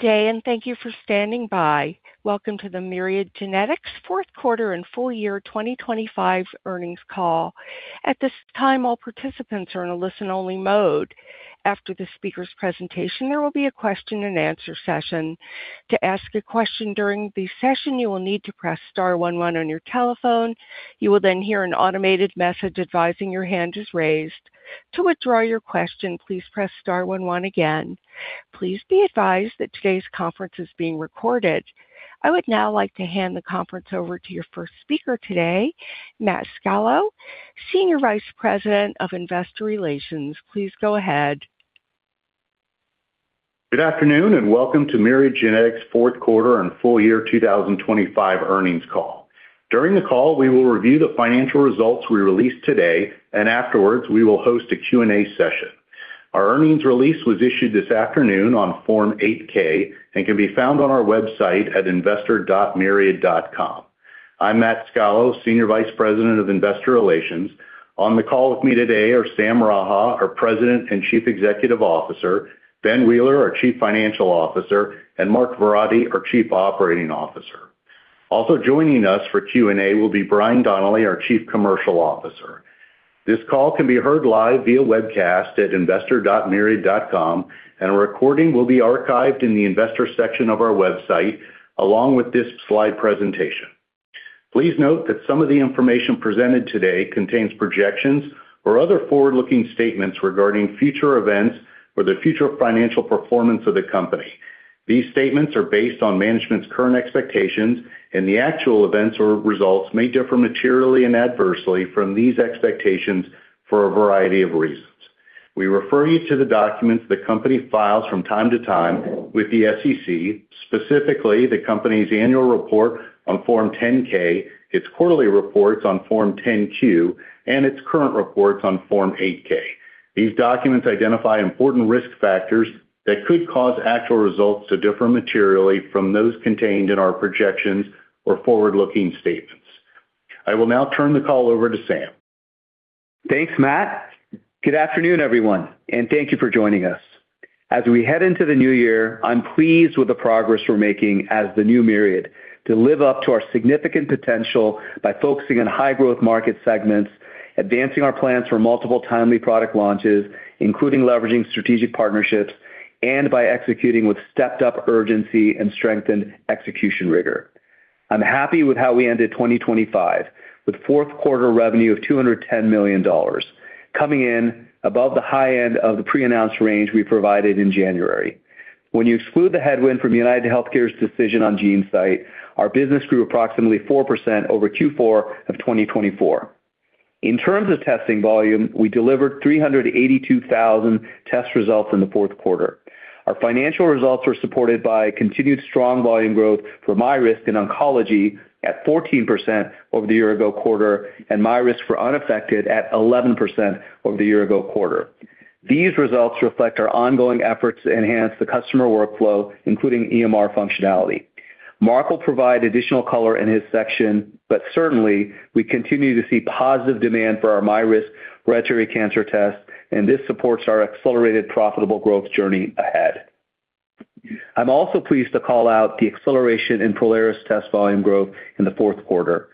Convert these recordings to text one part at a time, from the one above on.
Good day, and thank you for standing by. Welcome to the Myriad Genetics fourth quarter and full year 2025 earnings call. At this time, all participants are in a listen-only mode. After the speaker's presentation, there will be a question-and-answer session. To ask a question during the session, you will need to press star one one on your telephone. You will then hear an automated message advising your hand is raised. To withdraw your question, please press star one one again. Please be advised that today's conference is being recorded. I would now like to hand the conference over to your first speaker today, Matt Scalo, Senior Vice President of Investor Relations. Please go ahead. Good afternoon, and welcome to Myriad Genetics' fourth quarter and full year 2025 earnings call. During the call, we will review the financial results we released today, and afterwards, we will host a Q&A session. Our earnings release was issued this afternoon on Form 8-K and can be found on our website at investor.myriad.com. I'm Matt Scalo, Senior Vice President of Investor Relations. On the call with me today are Sam Raha, our President and Chief Executive Officer, Ben Wheeler, our Chief Financial Officer, and Mark Verratti, our Chief Operating Officer. Also joining us for Q&A will be Brian Donnelly, our Chief Commercial Officer. This call can be heard live via webcast at investor.myriad.com, and a recording will be archived in the investor section of our website, along with this slide presentation. Please note that some of the information presented today contains projections or other forward-looking statements regarding future events or the future financial performance of the company. These statements are based on management's current expectations, and the actual events or results may differ materially and adversely from these expectations for a variety of reasons. We refer you to the documents the company files from time to time with the SEC, specifically the company's annual report on Form 10-K, its quarterly reports on Form 10-Q, and its current reports on Form 8-K. These documents identify important risk factors that could cause actual results to differ materially from those contained in our projections or forward-looking statements. I will now turn the call over to Sam. Thanks, Matt. Good afternoon, everyone, and thank you for joining us. As we head into the new year, I'm pleased with the progress we're making as the new Myriad Genetics to live up to our significant potential by focusing on high-growth market segments, advancing our plans for multiple timely product launches, including leveraging strategic partnerships, and by executing with stepped-up urgency and strengthened execution rigor. I'm happy with how we ended 2025, with fourth quarter revenue of $210 million, coming in above the high end of the pre-announced range we provided in January. When you exclude the headwind from UnitedHealthcare's decision on GeneSight, our business grew approximately 4% over Q4 of 2024. In terms of testing volume, we delivered 382,000 test results in the fourth quarter. Our financial results were supported by continued strong volume growth for MyRisk in oncology at 14% over the year-ago quarter and MyRisk for unaffected at 11% over the year-ago quarter. These results reflect our ongoing efforts to enhance the customer workflow, including EMR functionality. Mark will provide additional color in his section, but certainly, we continue to see positive demand for our MyRisk urinary cancer test, and this supports our accelerated, profitable growth journey ahead. I'm also pleased to call out the acceleration in Prolaris test volume growth in the fourth quarter,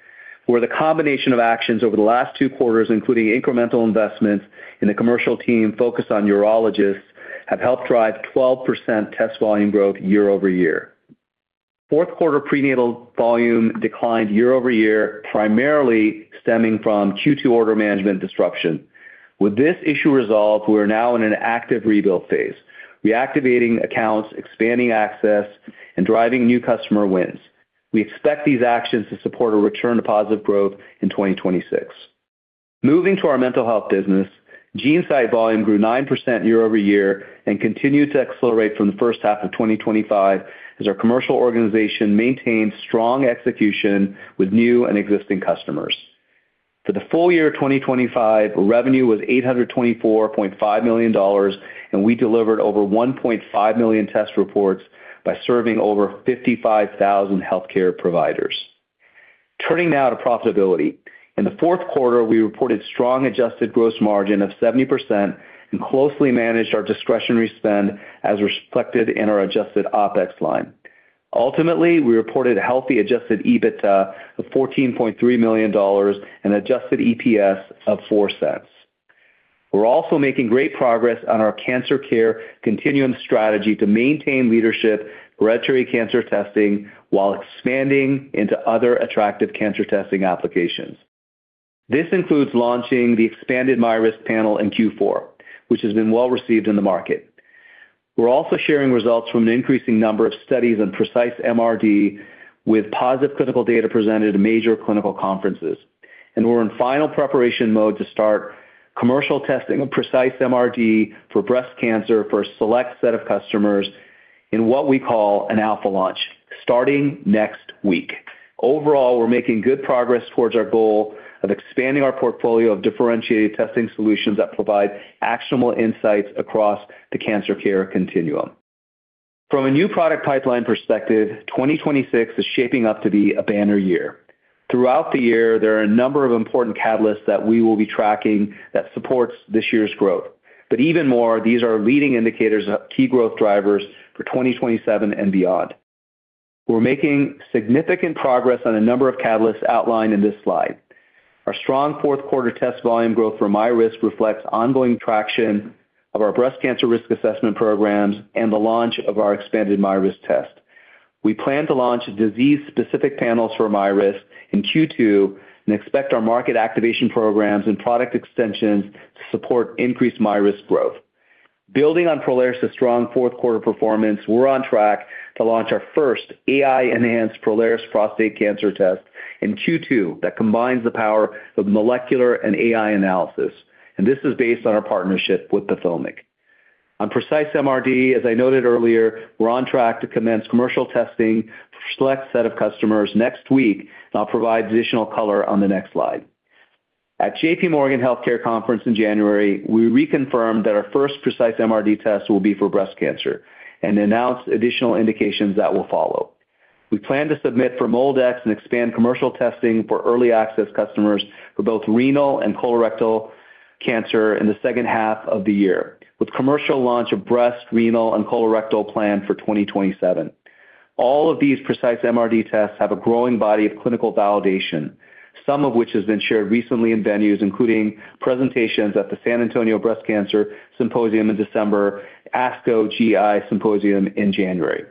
where the combination of actions over the last two quarters, including incremental investments in the commercial team focused on urologists, have helped drive 12% test volume growth year-over-year. Fourth quarter prenatal volume declined year-over-year, primarily stemming from Q2 order management disruption. With this issue resolved, we are now in an active rebuild phase, reactivating accounts, expanding access, and driving new customer wins. We expect these actions to support a return to positive growth in 2026. Moving to our mental health business, GeneSight volume grew 9% year-over-year and continued to accelerate from the first half of 2025 as our commercial organization maintained strong execution with new and existing customers. For the full year of 2025, revenue was $824.5 million, and we delivered over 1.5 million test reports by serving over 55,000 healthcare providers. Turning now to profitability. In the fourth quarter, we reported strong adjusted gross margin of 70% and closely managed our discretionary spend, as reflected in our adjusted OpEx line. Ultimately, we reported healthy adjusted EBITDA of $14.3 million and adjusted EPS of $0.04. We're also making great progress on our cancer care continuum strategy to maintain leadership for urinary cancer testing while expanding into other attractive cancer testing applications. This includes launching the expanded MyRisk panel in Q4, which has been well received in the market. We're also sharing results from an increasing number of studies on Precise MRD, with positive clinical data presented at major clinical conferences. We're in final preparation mode to start commercial testing of Precise MRD for breast cancer for a select set of customers in what we call an alpha launch, starting next week. Overall, we're making good progress towards our goal of expanding our portfolio of differentiated testing solutions that provide actionable insights across the cancer care continuum. From a new product pipeline perspective, 2026 is shaping up to be a banner year. Throughout the year, there are a number of important catalysts that we will be tracking that supports this year's growth. Even more, these are leading indicators of key growth drivers for 2027 and beyond. We're making significant progress on a number of catalysts outlined in this slide. Our strong fourth quarter test volume growth for MyRisk reflects ongoing traction of our breast cancer risk assessment programs and the launch of our expanded MyRisk test. We plan to launch disease-specific panels for MyRisk in Q2, and expect our market activation programs and product extensions to support increased MyRisk growth. Building on Prolaris's strong fourth quarter performance, we're on track to launch our first AI-enhanced Prolaris prostate cancer test in Q2 that combines the power of molecular and AI analysis. This is based on our partnership with PathomIQ. On Precise MRD, as I noted earlier, we're on track to commence commercial testing for a select set of customers next week, and I'll provide additional color on the next slide. At J.P. Morgan Healthcare Conference in January, we reconfirmed that our first Precise MRD test will be for breast cancer and announced additional indications that will follow. We plan to submit for MolDx and expand commercial testing for early access customers for both renal and colorectal cancer in the second half of the year, with commercial launch of breast, renal, and colorectal planned for 2027. All of these Precise MRD tests have a growing body of clinical validation, some of which has been shared recently in venues, including presentations at the San Antonio Breast Cancer Symposium in December, ASCO Gastrointestinal Cancers Symposium in January,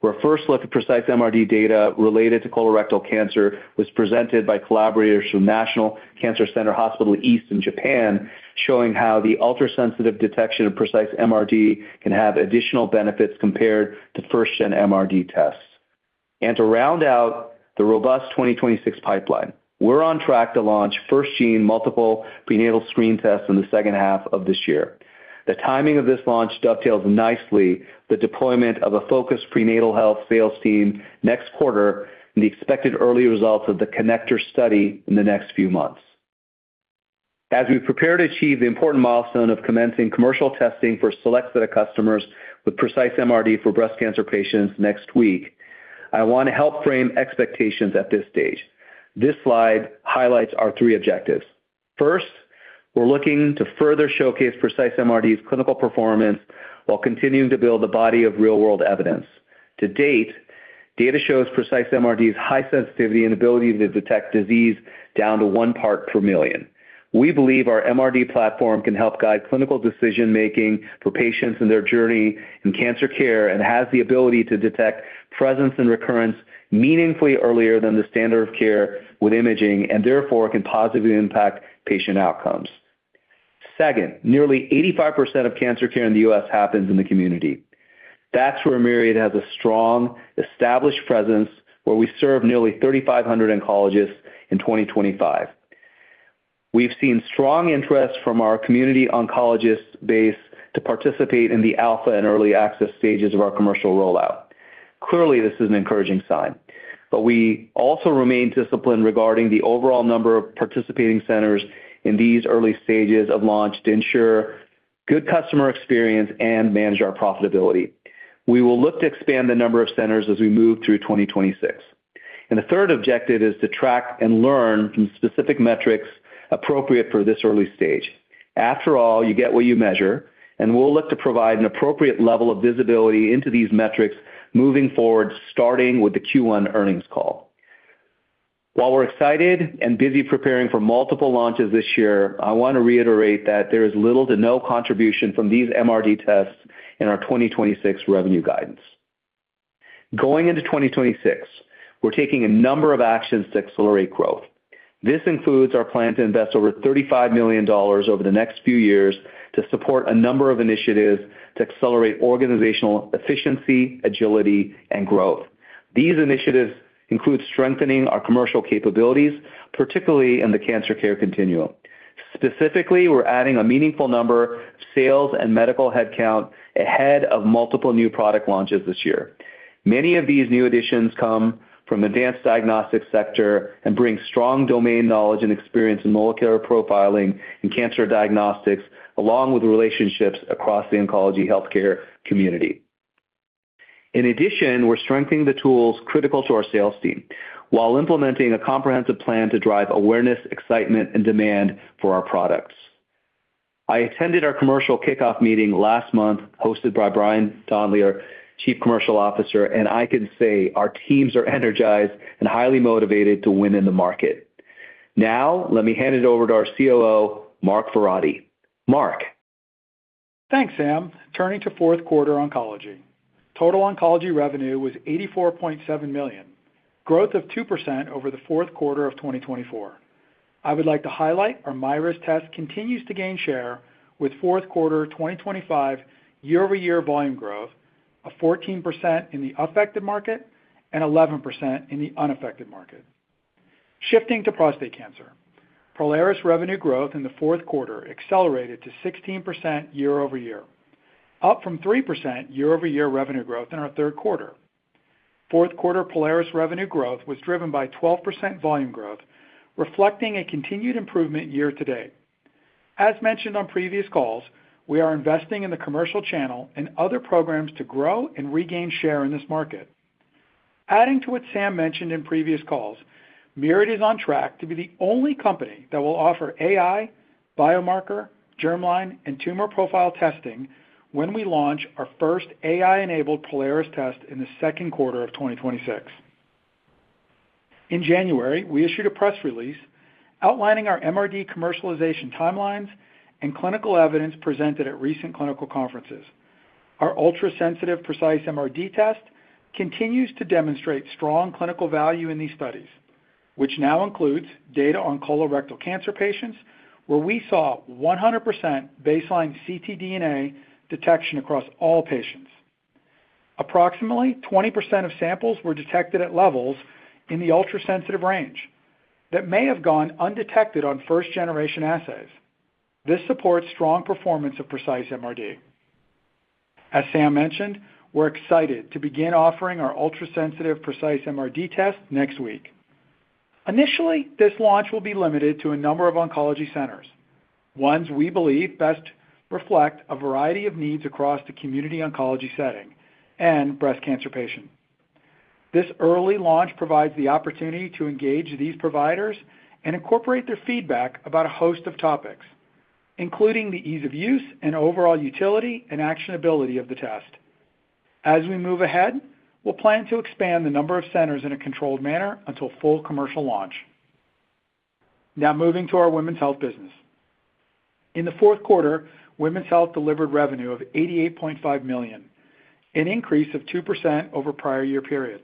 where a first look at Precise MRD data related to colorectal cancer was presented by collaborators from National Cancer Center Hospital East in Japan, showing how the ultrasensitive detection of Precise MRD can have additional benefits compared to first-gen MRD tests. To round out the robust 2026 pipeline, we're on track to launch FirstGene multiple prenatal screen tests in the second half of this year. The timing of this launch dovetails nicely with the deployment of a focused prenatal health sales team next quarter, and the expected early results of the CONNECTOR study in the next few months. As we prepare to achieve the important milestone of commencing commercial testing for a select set of customers with Precise MRD for breast cancer patients next week, I want to help frame expectations at this stage. This slide highlights our three objectives. First, we're looking to further showcase Precise MRD's clinical performance while continuing to build a body of real-world evidence. To date, data shows Precise MRD's high sensitivity and ability to detect disease down to one part per million. We believe our MRD platform can help guide clinical decision-making for patients in their journey in cancer care, and has the ability to detect presence and recurrence meaningfully earlier than the standard of care with imaging, and therefore can positively impact patient outcomes. Second, nearly 85% of cancer care in the U.S. happens in the community. That's where Myriad has a strong, established presence, where we serve nearly 3,500 oncologists in 2025. We've seen strong interest from our community oncologist base to participate in the alpha and early access stages of our commercial rollout. Clearly, this is an encouraging sign, but we also remain disciplined regarding the overall number of participating centers in these early stages of launch to ensure good customer experience and manage our profitability. We will look to expand the number of centers as we move through 2026. The third objective is to track and learn from specific metrics appropriate for this early stage. After all, you get what you measure, and we'll look to provide an appropriate level of visibility into these metrics moving forward, starting with the Q1 earnings call. While we're excited and busy preparing for multiple launches this year, I want to reiterate that there is little to no contribution from these MRD tests in our 2026 revenue guidance. Going into 2026, we're taking a number of actions to accelerate growth. This includes our plan to invest over $35 million over the next few years to support a number of initiatives to accelerate organizational efficiency, agility, and growth. These initiatives include strengthening our commercial capabilities, particularly in the cancer care continuum. Specifically, we're adding a meaningful number of sales and medical headcount ahead of multiple new product launches this year. Many of these new additions come from advanced diagnostics sector and bring strong domain knowledge and experience in molecular profiling and cancer diagnostics, along with relationships across the oncology healthcare community. In addition, we're strengthening the tools critical to our sales team, while implementing a comprehensive plan to drive awareness, excitement, and demand for our products. I attended our commercial kickoff meeting last month, hosted by Brian Donnelly, Chief Commercial Officer, and I can say our teams are energized and highly motivated to win in the market. Now, let me hand it over to our COO, Mark Verratti. Mark? Thanks, Sam. Turning to fourth quarter oncology. Total oncology revenue was $84.7 million, growth of 2% over the fourth quarter of 2024. I would like to highlight our MyRisk test continues to gain share with fourth quarter 2025 year-over-year volume growth of 14% in the affected market and 11% in the unaffected market. Shifting to prostate cancer, Prolaris revenue growth in the fourth quarter accelerated to 16% year-over-year, up from 3% year-over-year revenue growth in our third quarter. Fourth quarter Prolaris revenue growth was driven by 12% volume growth, reflecting a continued improvement year to date. As mentioned on previous calls, we are investing in the commercial channel and other programs to grow and regain share in this market. Adding to what Sam mentioned in previous calls, Myriad is on track to be the only company that will offer AI, biomarker, germline, and tumor profile testing when we launch our first AI-enabled Prolaris test in the second quarter of 2026. In January, we issued a press release outlining our MRD commercialization timelines and clinical evidence presented at recent clinical conferences. Our ultrasensitive, Precise MRD test continues to demonstrate strong clinical value in these studies, which now includes data on colorectal cancer patients, where we saw 100% baseline ctDNA detection across all patients. Approximately 20% of samples were detected at levels in the ultrasensitive range that may have gone undetected on first-generation assays. This supports strong performance of Precise MRD. As Sam mentioned, we're excited to begin offering our ultrasensitive, Precise MRD test next week. Initially, this launch will be limited to a number of oncology centers, ones we believe best reflect a variety of needs across the community oncology setting and breast cancer patients. This early launch provides the opportunity to engage these providers and incorporate their feedback about a host of topics, including the ease of use and overall utility and actionability of the test. We'll plan to expand the number of centers in a controlled manner until full commercial launch. Moving to our women's health business. In the fourth quarter, women's health delivered revenue of $88.5 million, an increase of 2% over prior year period.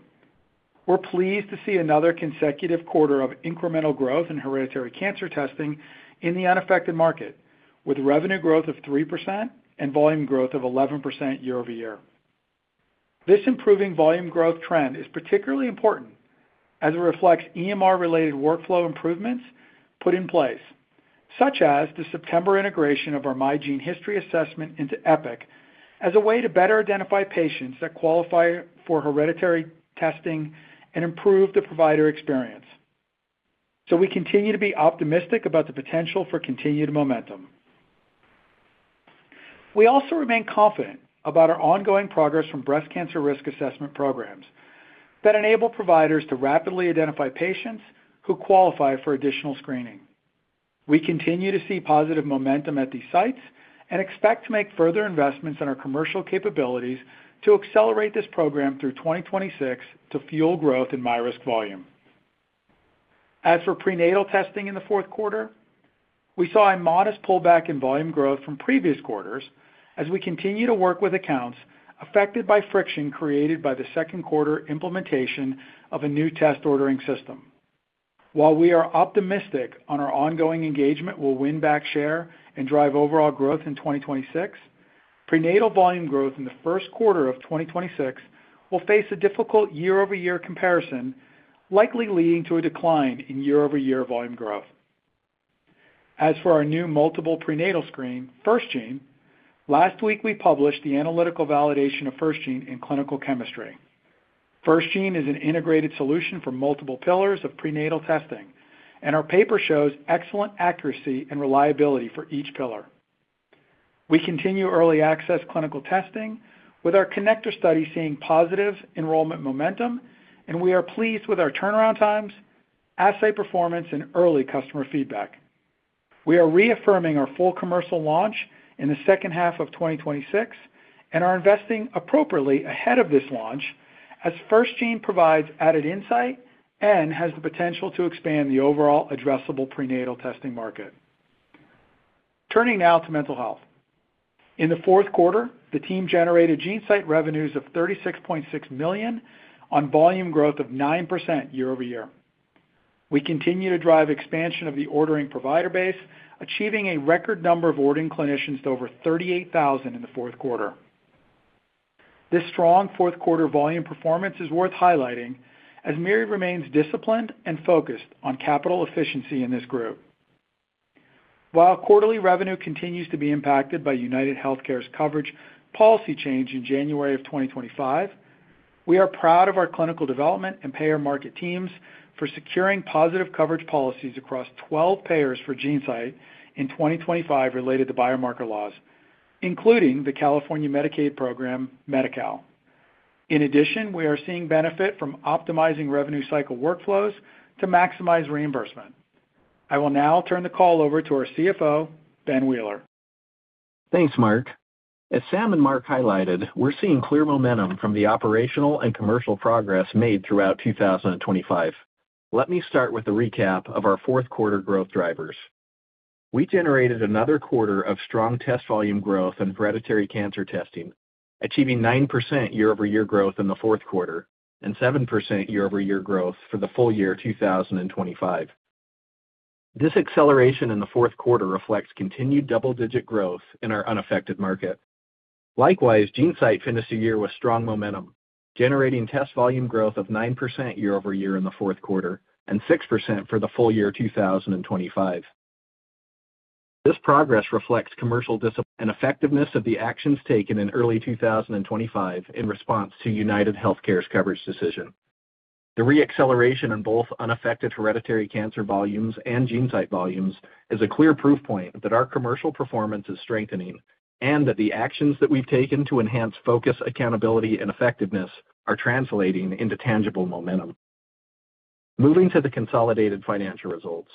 We're pleased to see another consecutive quarter of incremental growth in hereditary cancer testing in the unaffected market, with revenue growth of 3% and volume growth of 11% year-over-year. This improving volume growth trend is particularly important as it reflects EMR-related workflow improvements put in place, such as the September integration of our MyGeneHistory assessment into Epic, as a way to better identify patients that qualify for hereditary testing and improve the provider experience. We continue to be optimistic about the potential for continued momentum. We also remain confident about our ongoing progress from breast cancer risk assessment programs that enable providers to rapidly identify patients who qualify for additional screening. We continue to see positive momentum at these sites and expect to make further investments in our commercial capabilities to accelerate this program through 2026 to fuel growth in MyRisk volume. As for prenatal testing in the fourth quarter, we saw a modest pullback in volume growth from previous quarters as we continue to work with accounts affected by friction created by the second quarter implementation of a new test ordering system. While we are optimistic on our ongoing engagement, we'll win back share and drive overall growth in 2026. Prenatal volume growth in the first quarter of 2026 will face a difficult year-over-year comparison, likely leading to a decline in year-over-year volume growth. As for our new multiple prenatal screen, FirstGene, last week, we published the analytical validation of FirstGene in Clinical Chemistry. FirstGene is an integrated solution for multiple pillars of prenatal testing, and our paper shows excellent accuracy and reliability for each pillar. We continue early access clinical testing with our CONNECTOR study seeing positive enrollment momentum, and we are pleased with our turnaround times, assay performance, and early customer feedback. We are reaffirming our full commercial launch in the second half of 2026 and are investing appropriately ahead of this launch as FirstGene provides added insight and has the potential to expand the overall addressable prenatal testing market. Turning now to mental health. In the fourth quarter, the team generated GeneSight revenues of $36.6 million on volume growth of 9% year-over-year. We continue to drive expansion of the ordering provider base, achieving a record number of ordering clinicians to over 38,000 in the fourth quarter. This strong fourth quarter volume performance is worth highlighting, as Myriad remains disciplined and focused on capital efficiency in this group. While quarterly revenue continues to be impacted by UnitedHealthcare's coverage policy change in January of 2025, we are proud of our clinical development and payer market teams for securing positive coverage policies across 12 payers for GeneSight in 2025 related to biomarker laws, including the California Medicaid program, Medi-Cal. In addition, we are seeing benefit from optimizing revenue cycle workflows to maximize reimbursement. I will now turn the call over to our CFO, Ben Wheeler. Thanks, Mark. As Sam and Mark highlighted, we're seeing clear momentum from the operational and commercial progress made throughout 2025. Let me start with a recap of our fourth quarter growth drivers. We generated another quarter of strong test volume growth in hereditary cancer testing, achieving 9% year-over-year growth in the fourth quarter and 7% year-over-year growth for the full year 2025. This acceleration in the fourth quarter reflects continued double-digit growth in our unaffected market. Likewise, GeneSight finished the year with strong momentum, generating test volume growth of 9% year-over-year in the fourth quarter and 6% for the full year 2025. This progress reflects commercial discipline and effectiveness of the actions taken in early 2025 in response to UnitedHealthcare's coverage decision. The reacceleration in both unaffected hereditary cancer volumes and GeneSight volumes is a clear proof point that our commercial performance is strengthening, and that the actions that we've taken to enhance focus, accountability, and effectiveness are translating into tangible momentum. Moving to the consolidated financial results.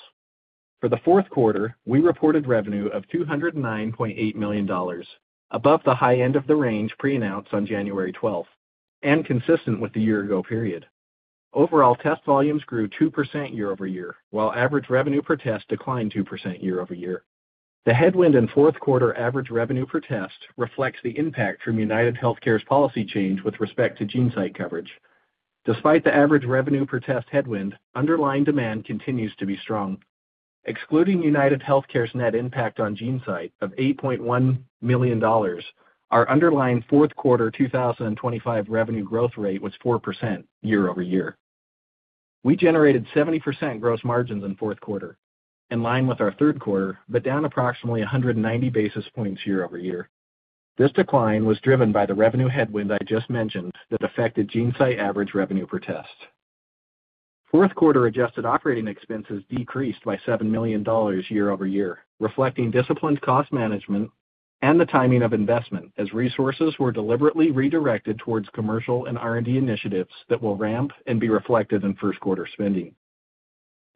For the fourth quarter, we reported revenue of $209.8 million, above the high end of the range pre-announced on January 12th, and consistent with the year-ago period. Overall test volumes grew 2% year-over-year, while average revenue per test declined 2% year-over-year. The headwind in fourth quarter average revenue per test reflects the impact from UnitedHealthcare's policy change with respect to GeneSight coverage. Despite the average revenue per test headwind, underlying demand continues to be strong. Excluding UnitedHealthcare's net impact on GeneSight of $8.1 million, our underlying fourth quarter 2025 revenue growth rate was 4% year-over-year. We generated 70% gross margins in fourth quarter, in line with our third quarter, but down approximately 190 basis points year-over-year. This decline was driven by the revenue headwind I just mentioned that affected GeneSight average revenue per test. Fourth quarter adjusted operating expenses decreased by $7 million year-over-year, reflecting disciplined cost management and the timing of investment, as resources were deliberately redirected towards commercial and R&D initiatives that will ramp and be reflected in first quarter spending.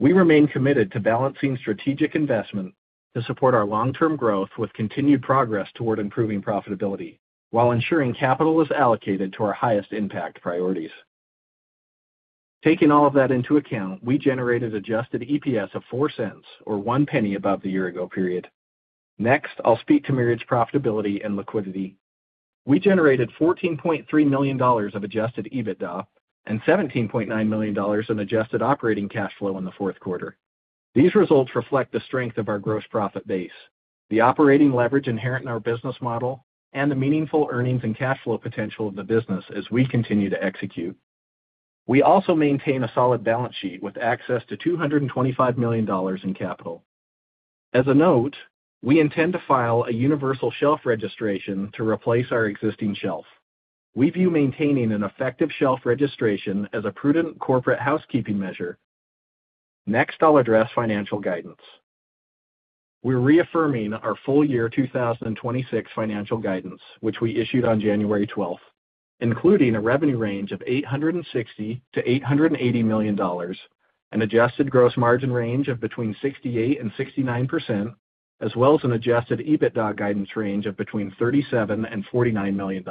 We remain committed to balancing strategic investment to support our long-term growth with continued progress toward improving profitability, while ensuring capital is allocated to our highest impact priorities. Taking all of that into account, we generated adjusted EPS of $0.04, or $0.01 above the year-ago period. Next, I'll speak to Myriad's profitability and liquidity. We generated $14.3 million of adjusted EBITDA and $17.9 million in adjusted operating cash flow in the fourth quarter. These results reflect the strength of our gross profit base, the operating leverage inherent in our business model, and the meaningful earnings and cash flow potential of the business as we continue to execute. We also maintain a solid balance sheet with access to $225 million in capital. As a note, we intend to file a universal shelf registration to replace our existing shelf. We view maintaining an effective shelf registration as a prudent corporate housekeeping measure. Next, I'll address financial guidance. We're reaffirming our full year 2026 financial guidance, which we issued on January 12th, including a revenue range of $860 million-$880 million, an adjusted gross margin range of between 68% and 69%, as well as an adjusted EBITDA guidance range of between $37 million and $49 million.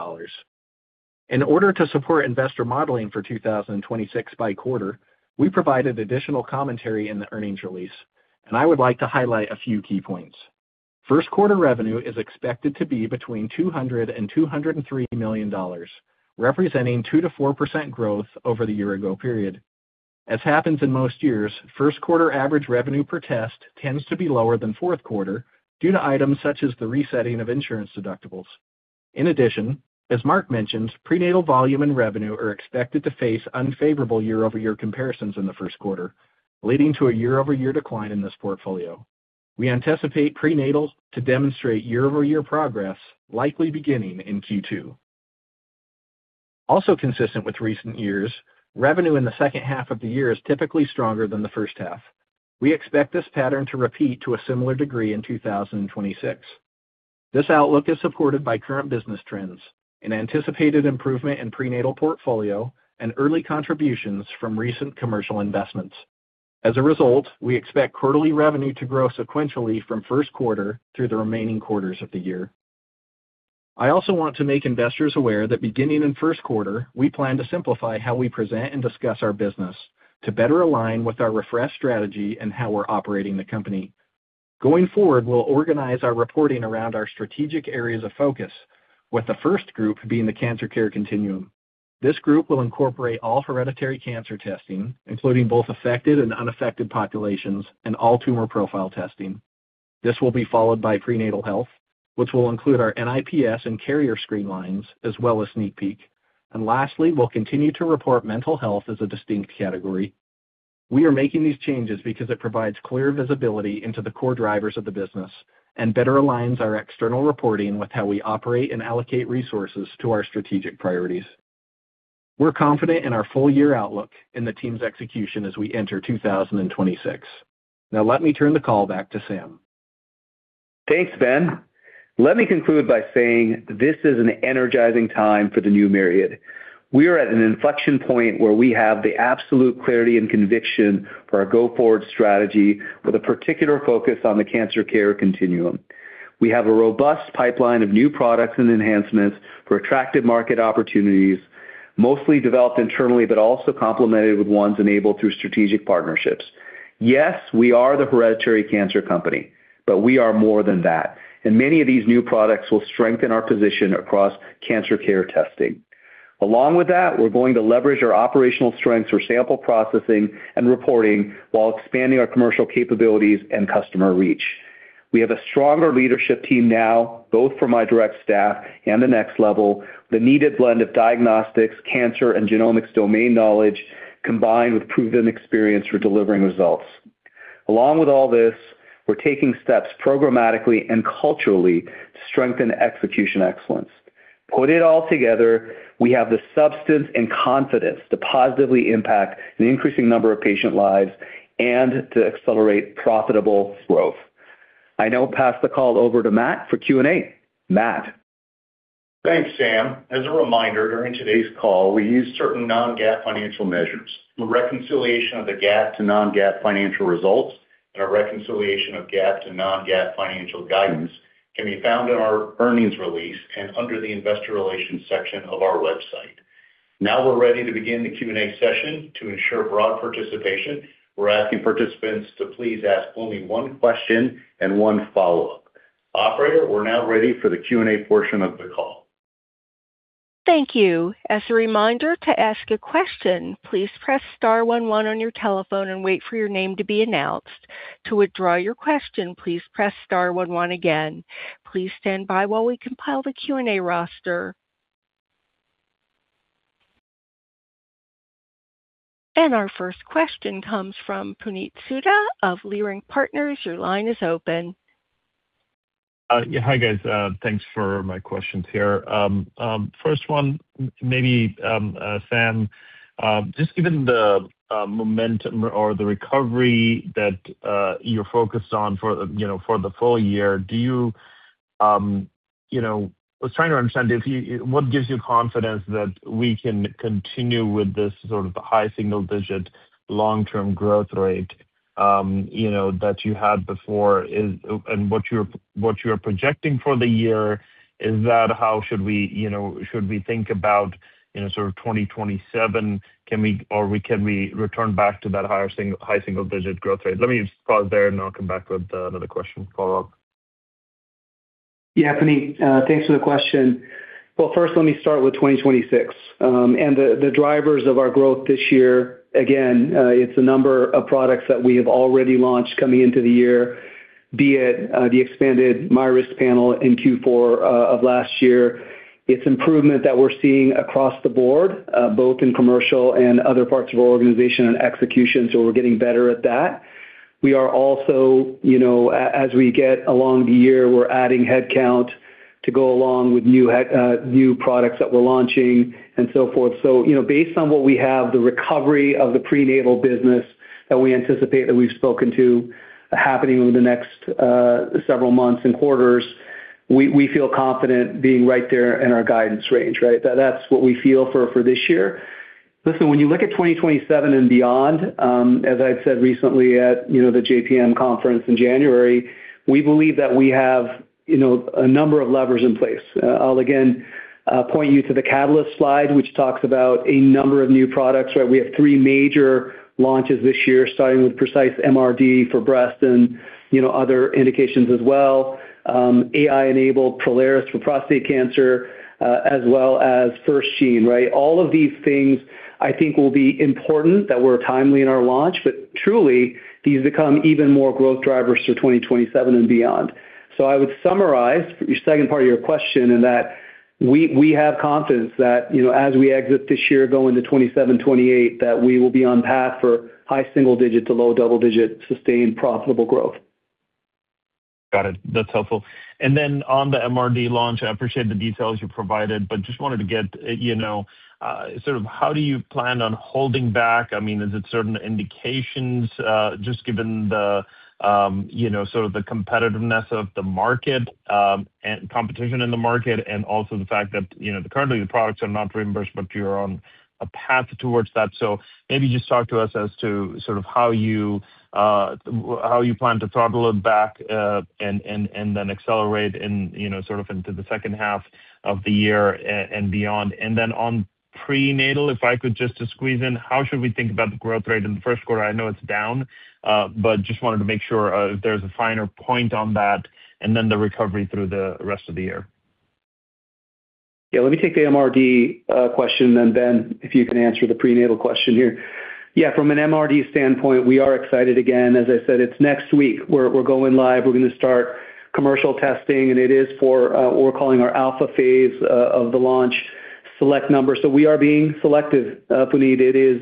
In order to support investor modeling for 2026 by quarter, we provided additional commentary in the earnings release, I would like to highlight a few key points. First quarter revenue is expected to be between $200 million and $203 million, representing 2%-4% growth over the year-ago period. As happens in most years, first quarter average revenue per test tends to be lower than fourth quarter due to items such as the resetting of insurance deductibles. In addition, as Mark mentioned, prenatal volume and revenue are expected to face unfavorable year-over-year comparisons in the first quarter, leading to a year-over-year decline in this portfolio. We anticipate prenatal to demonstrate year-over-year progress, likely beginning in Q2. Also consistent with recent years, revenue in the second half of the year is typically stronger than the first half. We expect this pattern to repeat to a similar degree in 2026. This outlook is supported by current business trends, an anticipated improvement in prenatal portfolio, and early contributions from recent commercial investments. As a result, we expect quarterly revenue to grow sequentially from first quarter through the remaining quarters of the year. I also want to make investors aware that beginning in 1st quarter, we plan to simplify how we present and discuss our business to better align with our refreshed strategy and how we're operating the company. Going forward, we'll organize our reporting around our strategic areas of focus, with the 1st group being the cancer care continuum. This group will incorporate all hereditary cancer testing, including both affected and unaffected populations, and all tumor profile testing. This will be followed by prenatal health, which will include our NIPS and carrier screen lines, as well as SneakPeek. Lastly, we'll continue to report mental health as a distinct category. We are making these changes because it provides clear visibility into the core drivers of the business and better aligns our external reporting with how we operate and allocate resources to our strategic priorities. We're confident in our full year outlook and the team's execution as we enter 2026. Let me turn the call back to Sam. Thanks, Ben. Let me conclude by saying this is an energizing time for the new Myriad. We are at an inflection point where we have the absolute clarity and conviction for our go-forward strategy, with a particular focus on the cancer care continuum. We have a robust pipeline of new products and enhancements for attractive market opportunities, mostly developed internally, but also complemented with ones enabled through strategic partnerships. Yes, we are the hereditary cancer company, but we are more than that, and many of these new products will strengthen our position across cancer care testing. Along with that, we're going to leverage our operational strengths for sample processing and reporting while expanding our commercial capabilities and customer reach. We have a stronger leadership team now, both from my direct staff and the next level, the needed blend of diagnostics, cancer, and genomics domain knowledge, combined with proven experience for delivering results. Along with all this, we're taking steps programmatically and culturally to strengthen execution excellence. Put it all together, we have the substance and confidence to positively impact an increasing number of patient lives and to accelerate profitable growth. I now pass the call over to Matt for Q&A. Matt? Thanks, Sam. As a reminder, during today's call, we use certain non-GAAP financial measures. A reconciliation of the GAAP to non-GAAP financial results, and a reconciliation of GAAP to non-GAAP financial guidance can be found in our earnings release and under the Investor Relations section of our website. Now we're ready to begin the Q&A session. To ensure broad participation, we're asking participants to please ask only one question and one follow-up. Operator, we're now ready for the Q&A portion of the call. Thank you. As a reminder, to ask a question, please press star one one on your telephone and wait for your name to be announced. To withdraw your question, please press star one one again. Please stand by while we compile the Q&A roster. Our first question comes from Puneet Souda of Leerink Partners. Your line is open. Yeah, hi, guys. Thanks for my questions here. First one, maybe, Sam, just given the momentum or the recovery that you're focused on for, you know, for the full year, do you, you know, I was trying to understand, what gives you confidence that we can continue with this sort of high single-digit long-term growth rate, you know, that you had before? What you're, what you're projecting for the year, is that how should we, you know, should we think about, you know, sort of 2027, can we or can we return back to that high single-digit growth rate? Let me just pause there, and I'll come back with another question follow-up. Yeah, Puneet, thanks for the question. Well, first, let me start with 2026, and the, the drivers of our growth this year. Again, it's a number of products that we have already launched coming into the year, be it, the expanded MyRisk Panel in Q4 of last year. It's improvement that we're seeing across the board, both in commercial and other parts of our organization and execution, so we're getting better at that. We are also, you know, as we get along the year, we're adding headcount to go along with new products that we're launching and so forth. You know, based on what we have, the recovery of the prenatal business that we anticipate, that we've spoken to, happening over the next several months and quarters, we, we feel confident being right there in our guidance range, right? That's what we feel for, for this year. Listen, when you look at 2027 and beyond, as I've said recently at, you know, the JPM conference in January, we believe that we have, you know, a number of levers in place. I'll again point you to the catalyst slide, which talks about a number of new products, right? We have three major launches this year, starting with Precise MRD for breast and, you know, other indications as well, AI-enabled Prolaris for prostate cancer, as well as FirstGene, right? All of these things, I think, will be important, that we're timely in our launch, but truly, these become even more growth drivers through 2027 and beyond. I would summarize your second part of your question in that we have confidence that, you know, as we exit this year, going to 2027, 2028, that we will be on path for high single-digit to low double-digit, sustained, profitable growth. Got it. That's helpful. On the MRD launch, I appreciate the details you provided, but just wanted to get how do you plan on holding back? I mean, is it certain indications, just given the competitiveness of the market and competition in the market, and also the fact that currently the products are not reimbursed, but you're on a path towards that. Maybe just talk to us as to how you plan to throttle it back and then accelerate into the second half of the year and beyond. Then on prenatal, if I could just squeeze in, how should we think about the growth rate in the first quarter? I know it's down, but just wanted to make sure, if there's a finer point on that, and then the recovery through the rest of the year. Yeah, let me take the MRD question. Then, Ben, if you can answer the prenatal question here. Yeah, from an MRD standpoint, we are excited again. As I said, it's next week, we're going live. We're gonna start commercial testing. It is for what we're calling our alpha phase of the launch, select number. We are being selective, Puneet. It is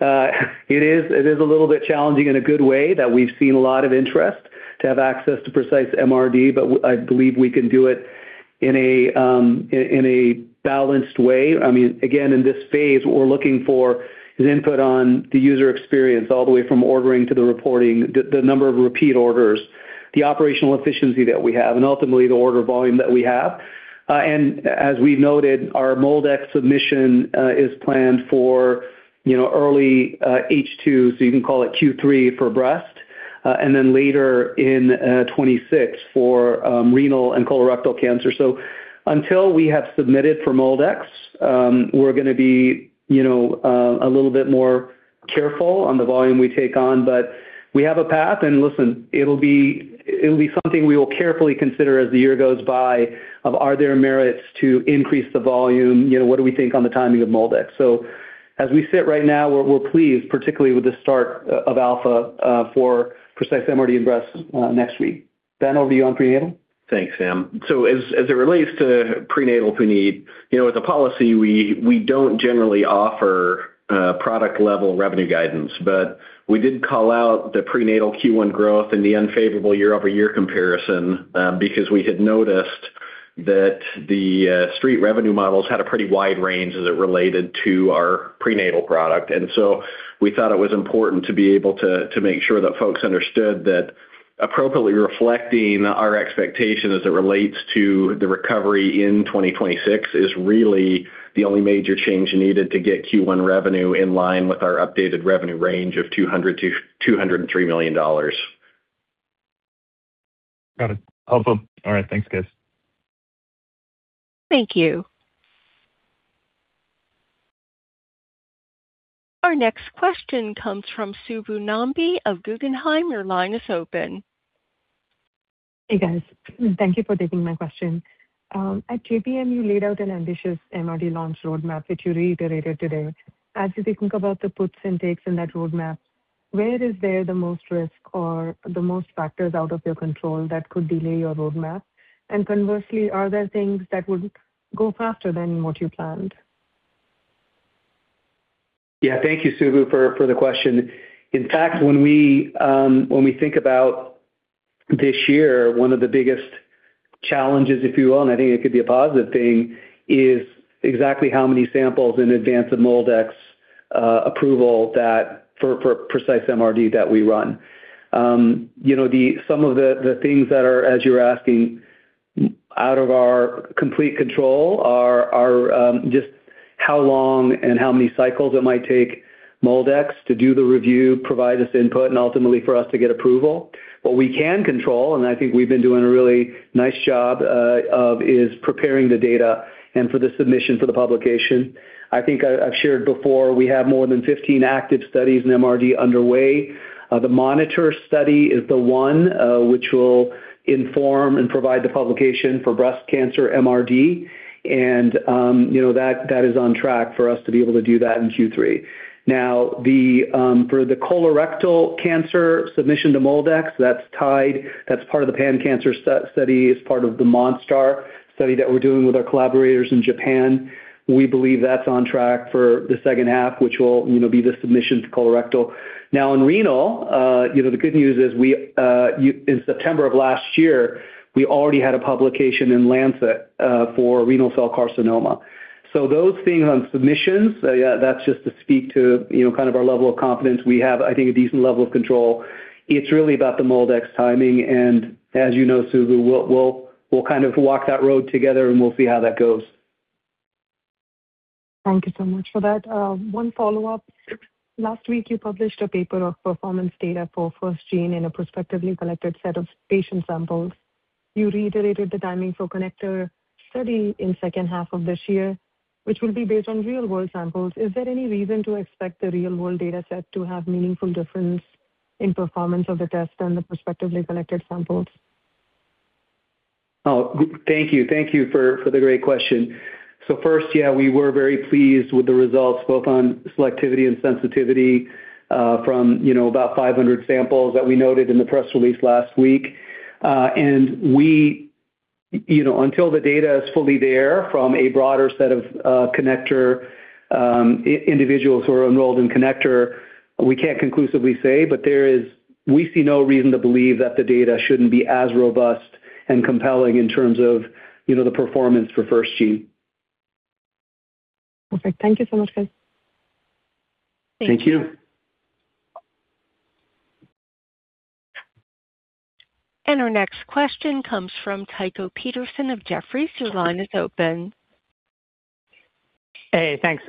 a little bit challenging in a good way, that we've seen a lot of interest to have access to Precise MRD. I believe we can do it in a balanced way. I mean, again, in this phase, what we're looking for is input on the user experience, all the way from ordering to the reporting, the, the number of repeat orders, the operational efficiency that we have, and ultimately, the order volume that we have. As we've noted, our MolDx submission is planned for, you know, early H2, so you can call it Q3 for breast, and then later in 2026 for renal and colorectal cancer. Until we have submitted for MolDx, we're gonna be, you know, a little bit more careful on the volume we take on. We have a path, and listen, it'll be, it'll be something we will carefully consider as the year goes by, of are there merits to increase the volume? You know, what do we think on the timing of MolDx? As we sit right now, we're, we're pleased, particularly with the start of alpha, for Precise MRD and breast, next week. Ben, over to you on prenatal. Thanks, Sam. As, as it relates to prenatal need, you know, as a policy, we, we don't generally offer product-level revenue guidance, but we did call out the prenatal Q1 growth and the unfavorable year-over-year comparison, because we had noticed that the street revenue models had a pretty wide range as it related to our prenatal product. We thought it was important to be able to, to make sure that folks understood that appropriately reflecting our expectation as it relates to the recovery in 2026 is really the only major change needed to get Q1 revenue in line with our updated revenue range of $200 million-$203 million. Got it. Awesome. All right. Thanks, guys. Thank you. Our next question comes from Subbu Nambi of Guggenheim. Your line is open. Hey, guys. Thank you for taking my question. At JPM, you laid out an ambitious MRD launch roadmap, which you reiterated today. As you think about the puts and takes in that roadmap, where is there the most risk or the most factors out of your control that could delay your roadmap? Conversely, are there things that would go faster than what you planned? Yeah, thank you, Subbu, for, for the question. In fact, when we, when we think about this year, one of the biggest challenges, if you will, and I think it could be a positive thing, is exactly how many samples in advance of MolDx approval that for, for Precise MRD that we run. You know, the, some of the, the things that are, as you're asking, out of our complete control are, are just how long and how many cycles it might take MolDx to do the review, provide us input, and ultimately for us to get approval. What we can control, and I think we've been doing a really nice job of, is preparing the data and for the submission for the publication. I think I, I've shared before, we have more than 15 active studies in MRD underway. The MONITOR-breast study is the one which will inform and provide the publication for breast cancer MRD, and, you know, that, that is on track for us to be able to do that in Q3. Now, the, for the colorectal cancer submission to MolDx, that's tied, that's part of the pan-cancer study. It's part of the MONSTAR-SCREEN-3 study that we're doing with our collaborators in Japan. We believe that's on track for the second half, which will, you know, be the submission to colorectal. Now, in renal, you know, the good news is we in September of last year, we already had a publication in The Lancet for renal cell carcinoma. Those things on submissions, yeah, that's just to speak to, you know, kind of our level of confidence. We have, I think, a decent level of control. It's really about the MolDx timing. As you know, Subbu, we'll, we'll, we'll kind of walk that road together. We'll see how that goes. Thank you so much for that. One follow-up. Last week, you published a paper of performance data for FirstGene in a prospectively collected set of patient samples. You reiterated the timing for CONNECTOR study in second half of this year, which will be based on real-world samples. Is there any reason to expect the real-world data set to have meaningful difference in performance of the test and the prospectively collected samples? Thank you. Thank you for, for the great question. First, yeah, we were very pleased with the results, both on selectivity and sensitivity, from, you know, about 500 samples that we noted in the press release last week. We, you know, until the data is fully there from a broader set of, CONNECTOR, individuals who are enrolled in CONNECTOR, we can't conclusively say, but there is, we see no reason to believe that the data shouldn't be as robust and compelling in terms of, you know, the performance for FirstGene. Perfect. Thank you so much, guys. Thank you. Our next question comes from Tycho Peterson of Jefferies. Your line is open. Hey, thanks.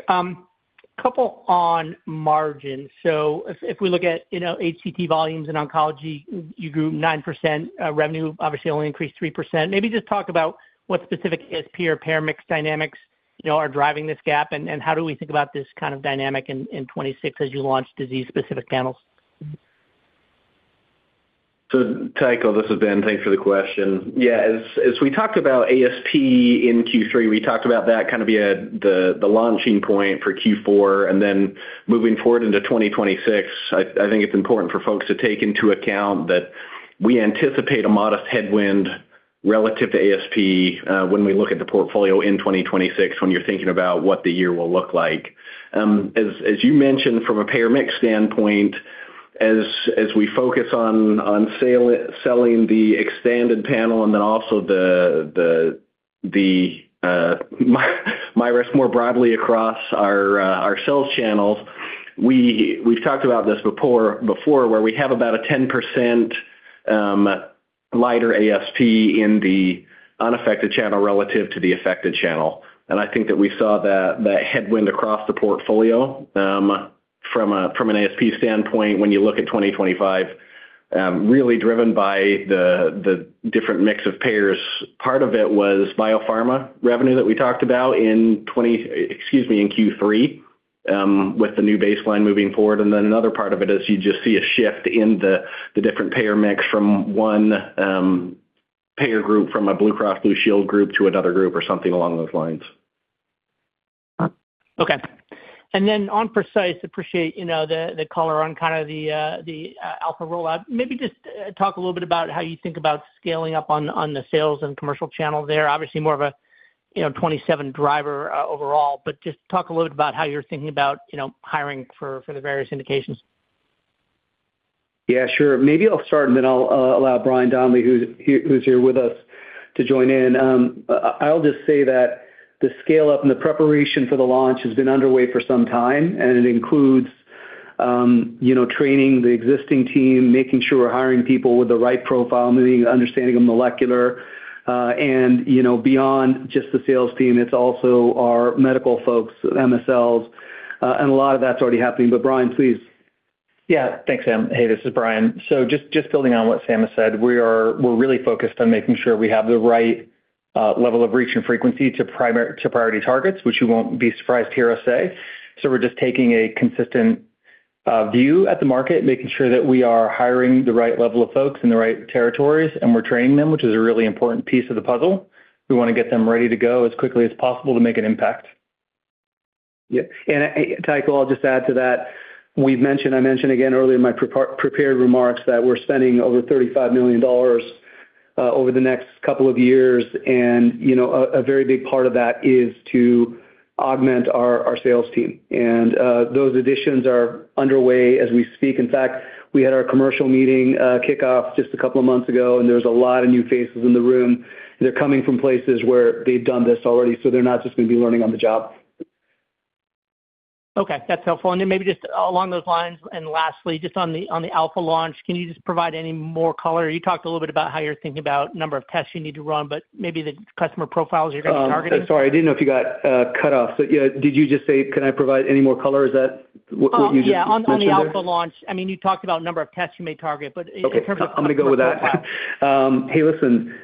couple on margin. If, if we look at, you know, HCT volumes in oncology, you grew 9%, revenue, obviously only increased 3%. Maybe just talk about what specific ASP or payer mix dynamics, you know, are driving this gap, and, and how do we think about this kind of dynamic in, in 2026 as you launch disease-specific panels? Tycho, this is Ben. Thanks for the question. As we talked about ASP in Q3, we talked about that kind of via the launching point for Q4, and then moving forward into 2026, I think it's important for folks to take into account that we anticipate a modest headwind relative to ASP when we look at the portfolio in 2026, when you're thinking about what the year will look like. As you mentioned from a payer mix standpoint, as we focus on selling the expanded panel and then also the MyRisk more broadly across our sales channels, we've talked about this before, where we have about a 10% lighter ASP in the unaffected channel relative to the affected channel. I think that we saw that, that headwind across the portfolio, from an ASP standpoint, when you look at 2025, really driven by the different mix of payers. Part of it was biopharma revenue that we talked about in. Excuse me, in Q3, with the new baseline moving forward. Then another part of it is you just see a shift in the different payer mix from 1 payer group, from a Blue Cross Blue Shield group to another group or something along those lines. Okay. Then on Precise, appreciate, you know, the color on kind of the alpha rollout. Maybe just talk a little bit about how you think about scaling up on the sales and commercial channel there. Obviously, more of a, you know, 2027 driver overall, but just talk a little bit about how you're thinking about, you know, hiring for the various indications. Yeah, sure. Maybe I'll start, and then I'll allow Brian Donnelly, who's, who's here with us, to join in. I'll just say that the scale-up and the preparation for the launch has been underway for some time, and it includes, you know, training the existing team, making sure we're hiring people with the right profile, meaning understanding of molecular, and, you know, beyond just the sales team, it's also our medical folks, MSLs, and a lot of that's already happening. Brian, please. Yeah. Thanks, Sam. Hey, this is Brian. Just, just building on what Sam has said, we're really focused on making sure we have the right level of reach and frequency to priority targets, which you won't be surprised to hear us say. We're just taking a consistent view at the market, making sure that we are hiring the right level of folks in the right territories, and we're training them, which is a really important piece of the puzzle. We want to get them ready to go as quickly as possible to make an impact. Yeah, and Tycho, I'll just add to that. We've mentioned, I mentioned again earlier in my prepar- prepared remarks, that we're spending over $35 million over the next couple of years, and, you know, a, a very big part of that is to augment our, our sales team. Those additions are underway as we speak. In fact, we had our commercial meeting kickoff just a couple of months ago, and there's a lot of new faces in the room. They're coming from places where they've done this already, so they're not just going to be learning on the job. Okay, that's helpful. Then maybe just along those lines, and lastly, just on the, on the alpha launch, can you just provide any more color? You talked a little bit about how you're thinking about number of tests you need to run, but maybe the customer profiles you're going to be targeting. Sorry, I didn't know if you got cut off, but, yeah, did you just say, can I provide any more color? Is that what you just mentioned there? Oh, yeah, on the alpha launch. I mean, you talked about number of tests you may target, but in terms of. Okay, I'm gonna go with that. Hey, listen.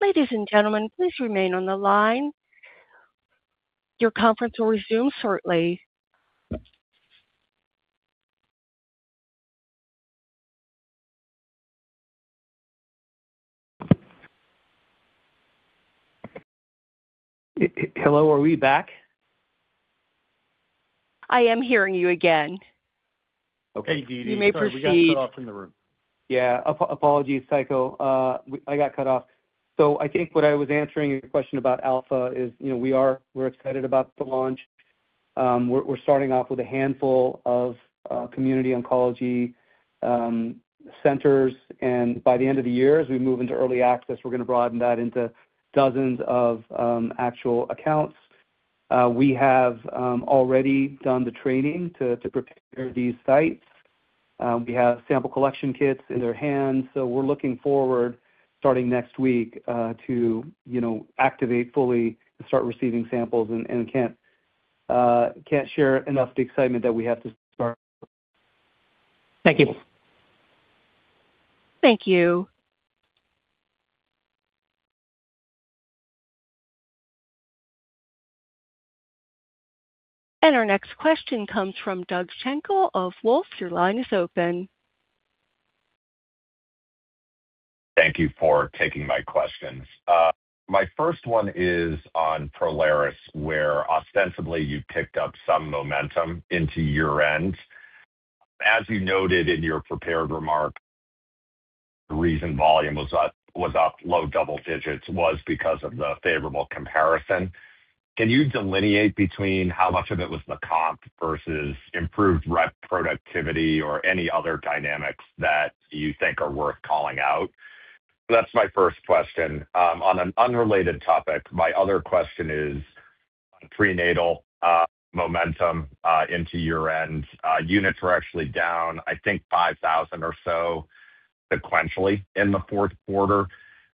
Ladies and gentlemen, please remain on the line. Your conference will resume shortly. Hello, are we back? I am hearing you again. Okay. You may proceed. Hey, Dee Dee, sorry, we got cut off in the room. Yeah, apologies, Tycho. I got cut off. I think what I was answering your question about alpha is, you know, we're excited about the launch. We're starting off with a handful of community oncology centers, and by the end of the year, as we move into early access, we're going to broaden that into dozens of actual accounts. We have already done the training to prepare these sites. We have sample collection kits in their hands, we're looking forward, starting next week, to, you know, activate fully and start receiving samples and can't, can't share enough the excitement that we have to start. Thank you. Thank you. Our next question comes from Doug Schenkel of Wolfe Research. Your line is open. Thank you for taking my questions. My first one is on Prolaris, where ostensibly you've picked up some momentum into your end. As you noted in your prepared remark, the reason volume was up, was up low double digits was because of the favorable comparison. Can you delineate between how much of it was the comp versus improved rep productivity or any other dynamics that you think are worth calling out? That's my first question. On an unrelated topic, my other question is prenatal momentum into your end. Units were actually down, I think, 5,000 or so sequentially in the fourth quarter.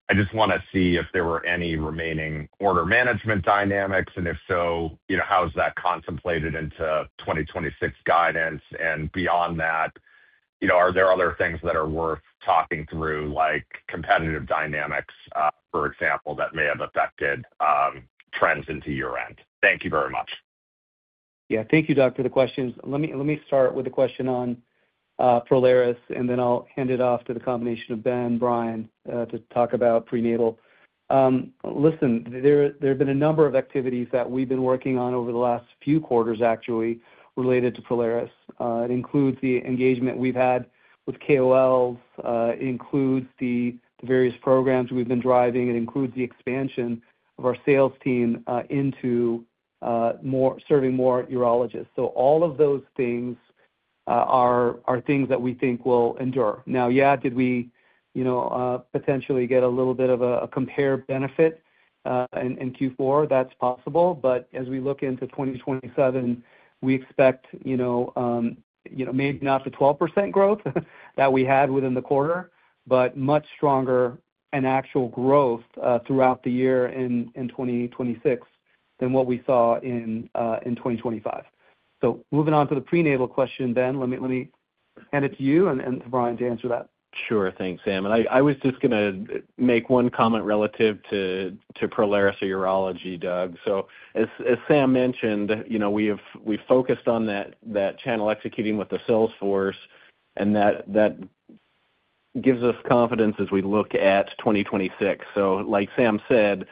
I just want to see if there were any remaining order management dynamics, and if so, you know, how is that contemplated into 2026 guidance? Beyond that, you know, are there other things that are worth talking through, like competitive dynamics, for example, that may have affected trends into year-end? Thank you very much. Yeah, thank you, Doug, for the questions. Let me, let me start with the question on Prolaris, and then I'll hand it off to the combination of Ben and Brian to talk about prenatal. Listen, there, there have been a number of activities that we've been working on over the last few quarters, actually, related to Prolaris. It includes the engagement we've had with KOLs, it includes the various programs we've been driving. It includes the expansion of our sales team, into more serving more urologists. All of those things are, are things that we think will endure. Now, yeah, did we, you know, potentially get a little bit of a compare benefit in, in Q4? That's possible. As we look into 2027, we expect, you know, you know, maybe not the 12% growth that we had within the quarter, but much stronger and actual growth throughout the year in, in 2026 than what we saw in 2025. Moving on to the prenatal question, Ben, let me, let me hand it to you and, and to Brian to answer that. Sure. Thanks, Sam. I, I was just going to make one comment relative to, to Prolaris or urology, Doug. As, as Sam mentioned, you know, we focused on that, that channel executing with the sales force, and that, that gives us confidence as we look at 2026. Like Sam said,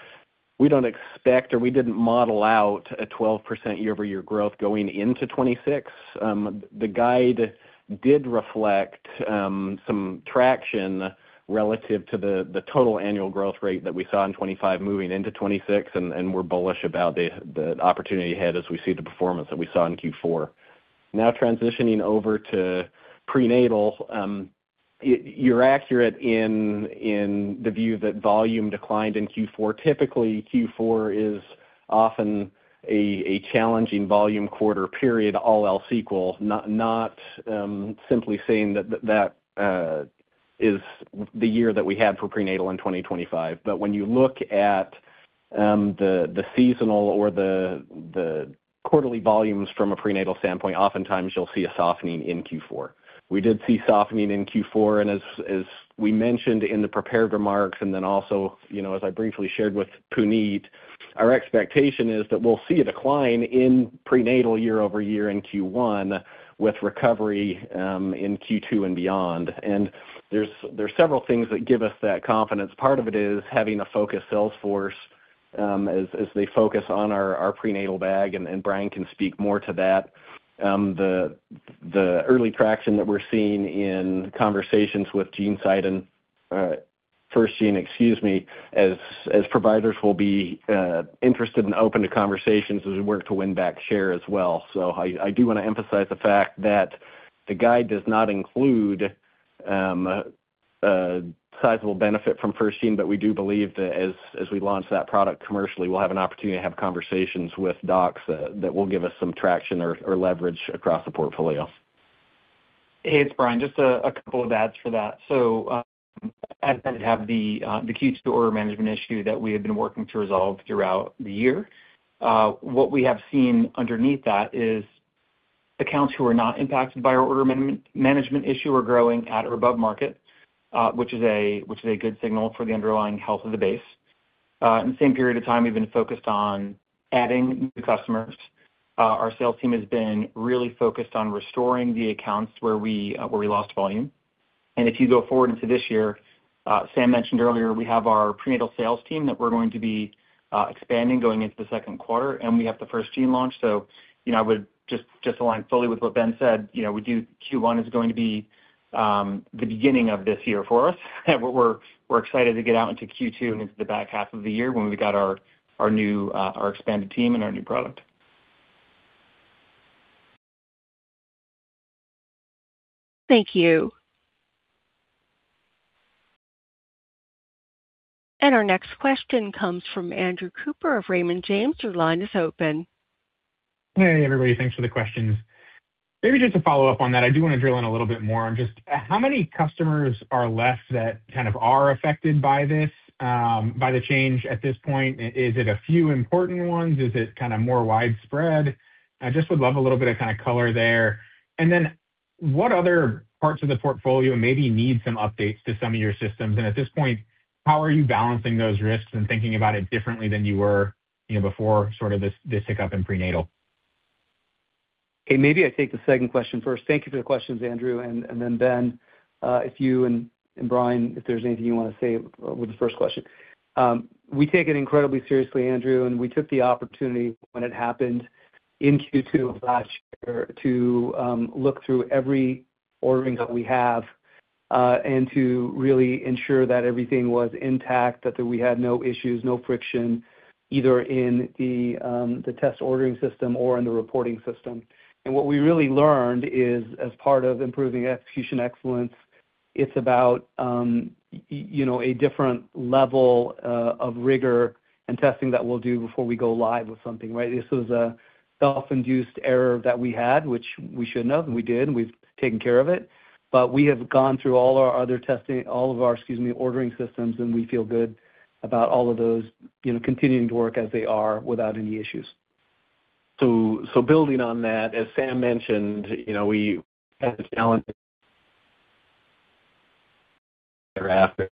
we don't expect, or we didn't model out a 12% year-over-year growth going into 2026. The guide did reflect some traction relative to the, the total annual growth rate that we saw in 2025 moving into 2026, and, and we're bullish about the, the opportunity ahead as we see the performance that we saw in Q4. Now, transitioning over to prenatal, you're accurate in, in the view that volume declined in Q4. Typically, Q4 is often a challenging volume quarter period, all else equal, not simply saying that that is the year that we had for prenatal in 2025. When you look at the seasonal or the quarterly volumes from a prenatal standpoint, oftentimes you'll see a softening in Q4. We did see softening in Q4, and as we mentioned in the prepared remarks, and then also, you know, as I briefly shared with Puneet, our expectation is that we'll see a decline in prenatal year-over-year in Q1, with recovery in Q2 and beyond. There's several things that give us that confidence. Part of it is having a focused sales force, as they focus on our prenatal bag, and Brian can speak more to that. The, the early traction that we're seeing in conversations with GeneSight and FirstGene, excuse me, as providers will be interested and open to conversations as we work to win back share as well. I, I do want to emphasize the fact that the guide does not include a sizable benefit from FirstGene. We do believe that as we launch that product commercially, we'll have an opportunity to have conversations with docs that will give us some traction or leverage across the portfolio. Hey, it's Brian. Just a couple of adds for that. As have the key to the order management issue that we have been working to resolve throughout the year, what we have seen underneath that is accounts who are not impacted by our order management issue are growing at or above market, which is a good signal for the underlying health of the base. In the same period of time, we've been focused on adding new customers. Our sales team has been really focused on restoring the accounts where we lost volume. If you go forward into this year, Sam mentioned earlier, we have our prenatal sales team that we're going to be expanding going into the second quarter, and we have the FirstGene launch. You know, I would just, just align fully with what Ben said. You know, we do, Q1 is going to be the beginning of this year for us. We're, we're excited to get out into Q2 and into the back half of the year when we've got our, our new, our expanded team and our new product. Thank you. Our next question comes from Andrew Cooper of Raymond James. Your line is open. Hey, everybody. Thanks for the questions. Maybe just to follow up on that, I do want to drill in a little bit more on just how many customers are less that kind of are affected by this by the change at this point? Is it a few important ones? Is it kind of more widespread? I just would love a little bit of kind of color there. What other parts of the portfolio maybe need some updates to some of your systems? At this point, how are you balancing those risks and thinking about it differently than you were, you know, before sort of this, this hiccup in prenatal? Okay, maybe I take the second question first. Thank you for the questions, Andrew. Ben, if you and Brian, if there's anything you want to say with the first question. We take it incredibly seriously, Andrew, and we took the opportunity when it happened in Q2 of last year to look through every ordering that we have and to really ensure that everything was intact, that we had no issues, no friction, either in the test ordering system or in the reporting system. What we really learned is, as part of improving execution excellence, it's about, you know, a different level of rigor and testing that we'll do before we go live with something, right? This was a self-induced error that we had, which we should know, and we did, and we've taken care of it. We have gone through all our other testing, all of our, excuse me, ordering systems, and we feel good about all of those, you know, continuing to work as they are without any issues. Building on that, as Sam mentioned, you know, we had a challenge thereafter.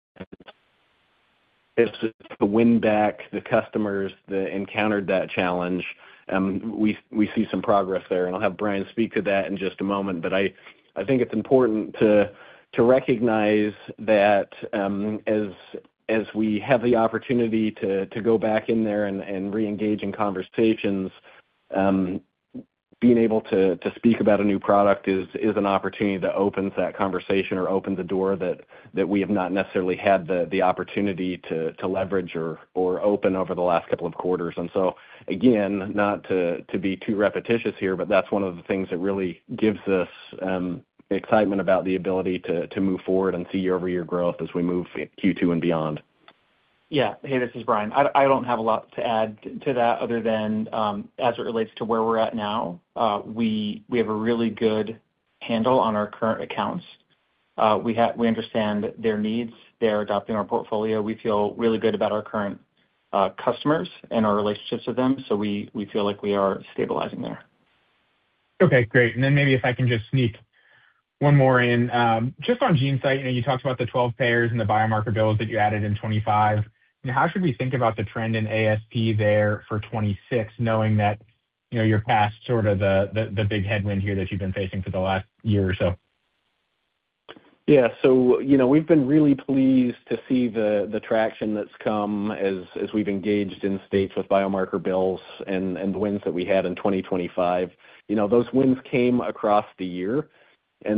It's to win back the customers that encountered that challenge. We see some progress there, and I'll have Brian speak to that in just a moment. I think it's important to recognize that, as we have the opportunity to go back in there and reengage in conversations, being able to speak about a new product is an opportunity that opens that conversation or opens the door that we have not necessarily had the opportunity to leverage or open over the last couple of quarters. Again, not to, to be too repetitious here, but that's one of the things that really gives us excitement about the ability to, to move forward and see year-over-year growth as we move Q2 and beyond. Yeah. Hey, this is Brian. I, I don't have a lot to add to that, other than, as it relates to where we're at now. We, we have a really good handle on our current accounts. We understand their needs. They're adopting our portfolio. We feel really good about our current customers and our relationships with them, so we, we feel like we are stabilizing there. Okay, great. Then maybe if I can just sneak one more in. Just on GeneSight, you know, you talked about the 12 payers and the biomarker bills that you added in 25. Now, how should we think about the trend in ASP there for 26, knowing that, you know, you're past sort of the, the, the big headwind here that you've been facing for the last year or so? Yeah. You know, we've been really pleased to see the, the traction that's come as, as we've engaged in states with biomarker bills and, and the wins that we had in 2025. You know, those wins came across the year, you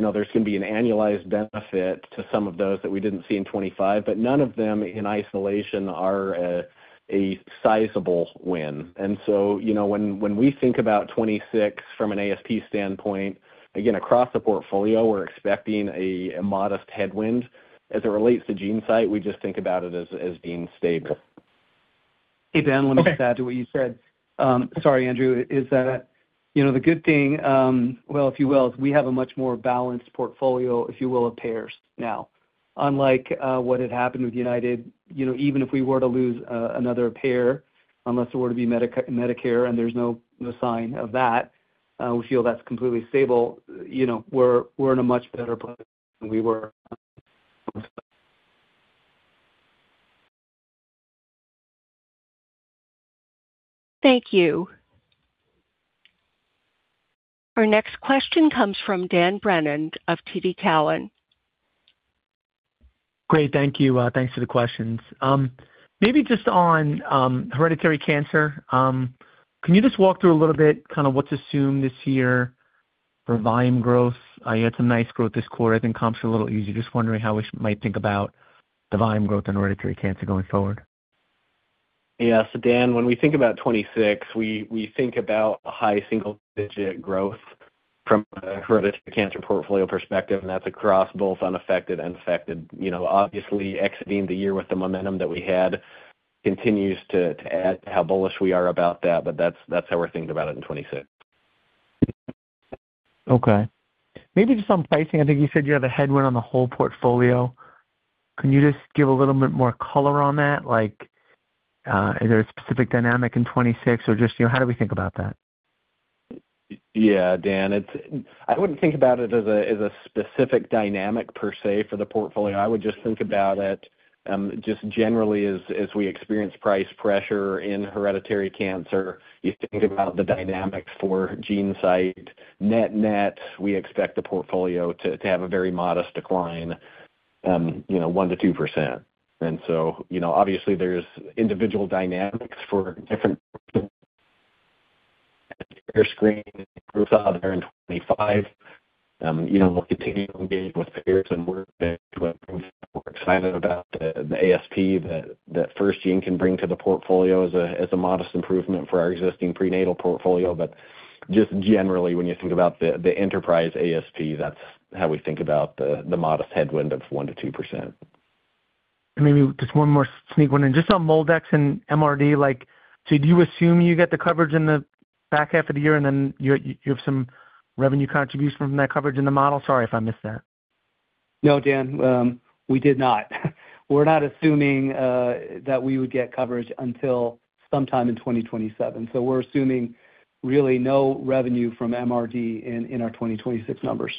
know, there's going to be an annualized benefit to some of those that we didn't see in 25, but none of them in isolation are a sizable win. You know, when, when we think about 26 from an ASP standpoint, again, across the portfolio, we're expecting a, a modest headwind. As it relates to GeneSight, we just think about it as, as being stable. Hey, Dan, let me just add to what you said. Sorry, Andrew, is that, you know, the good thing, well, if you will, is we have a much more balanced portfolio, if you will, of payers now. Unlike, what had happened with United, you know, even if we were to lose another payer, unless it were to be Medicare, and there's no, no sign of that, we feel that's completely stable. You know, we're, we're in a much better place than we were. Thank you. Our next question comes from Dan Brennan of TD Cowen. Great, thank you. Thanks for the questions. Maybe just on hereditary cancer, can you just walk through a little bit, kind of what's assumed this year for volume growth? You had some nice growth this quarter. I think comps are a little easy. Just wondering how we might think about the volume growth in hereditary cancer going forward. Yeah. Dan, when we think about 2026, we, we think about a high single-digit growth from a hereditary cancer portfolio perspective, and that's across both unaffected and affected. You know, obviously, exiting the year with the momentum that we had continues to, to add to how bullish we are about that, but that's, that's how we're thinking about it in 2026. Okay. Maybe just on pricing. I think you said you have a headwind on the whole portfolio. Can you just give a little bit more color on that? Like, is there a specific dynamic in 26, or just, you know, how do we think about that? Yeah, Dan. I wouldn't think about it as a specific dynamic per se for the portfolio. I would just think about it, just generally as we experience price pressure in hereditary cancer, you think about the dynamics for GeneSight. Net-net, we expect the portfolio to have a very modest decline, you know, 1%-2%. You know, obviously there's individual dynamics for different screen groups out there in 25. You know, we'll continue to engage with payers and we're excited about the ASP that FirstGene can bring to the portfolio as a modest improvement for our existing prenatal portfolio. When you think about the enterprise ASP, that's how we think about the modest headwind of 1%-2%. Maybe just one more sneak one in. Just on MolDx and MRD, like, so do you assume you get the coverage in the back half of the year, and then you're, you have some revenue contribution from that coverage in the model? Sorry if I missed that. No, Dan, we did not. We're not assuming that we would get coverage until sometime in 2027. We're assuming really no revenue from MRD in, in our 2026 numbers.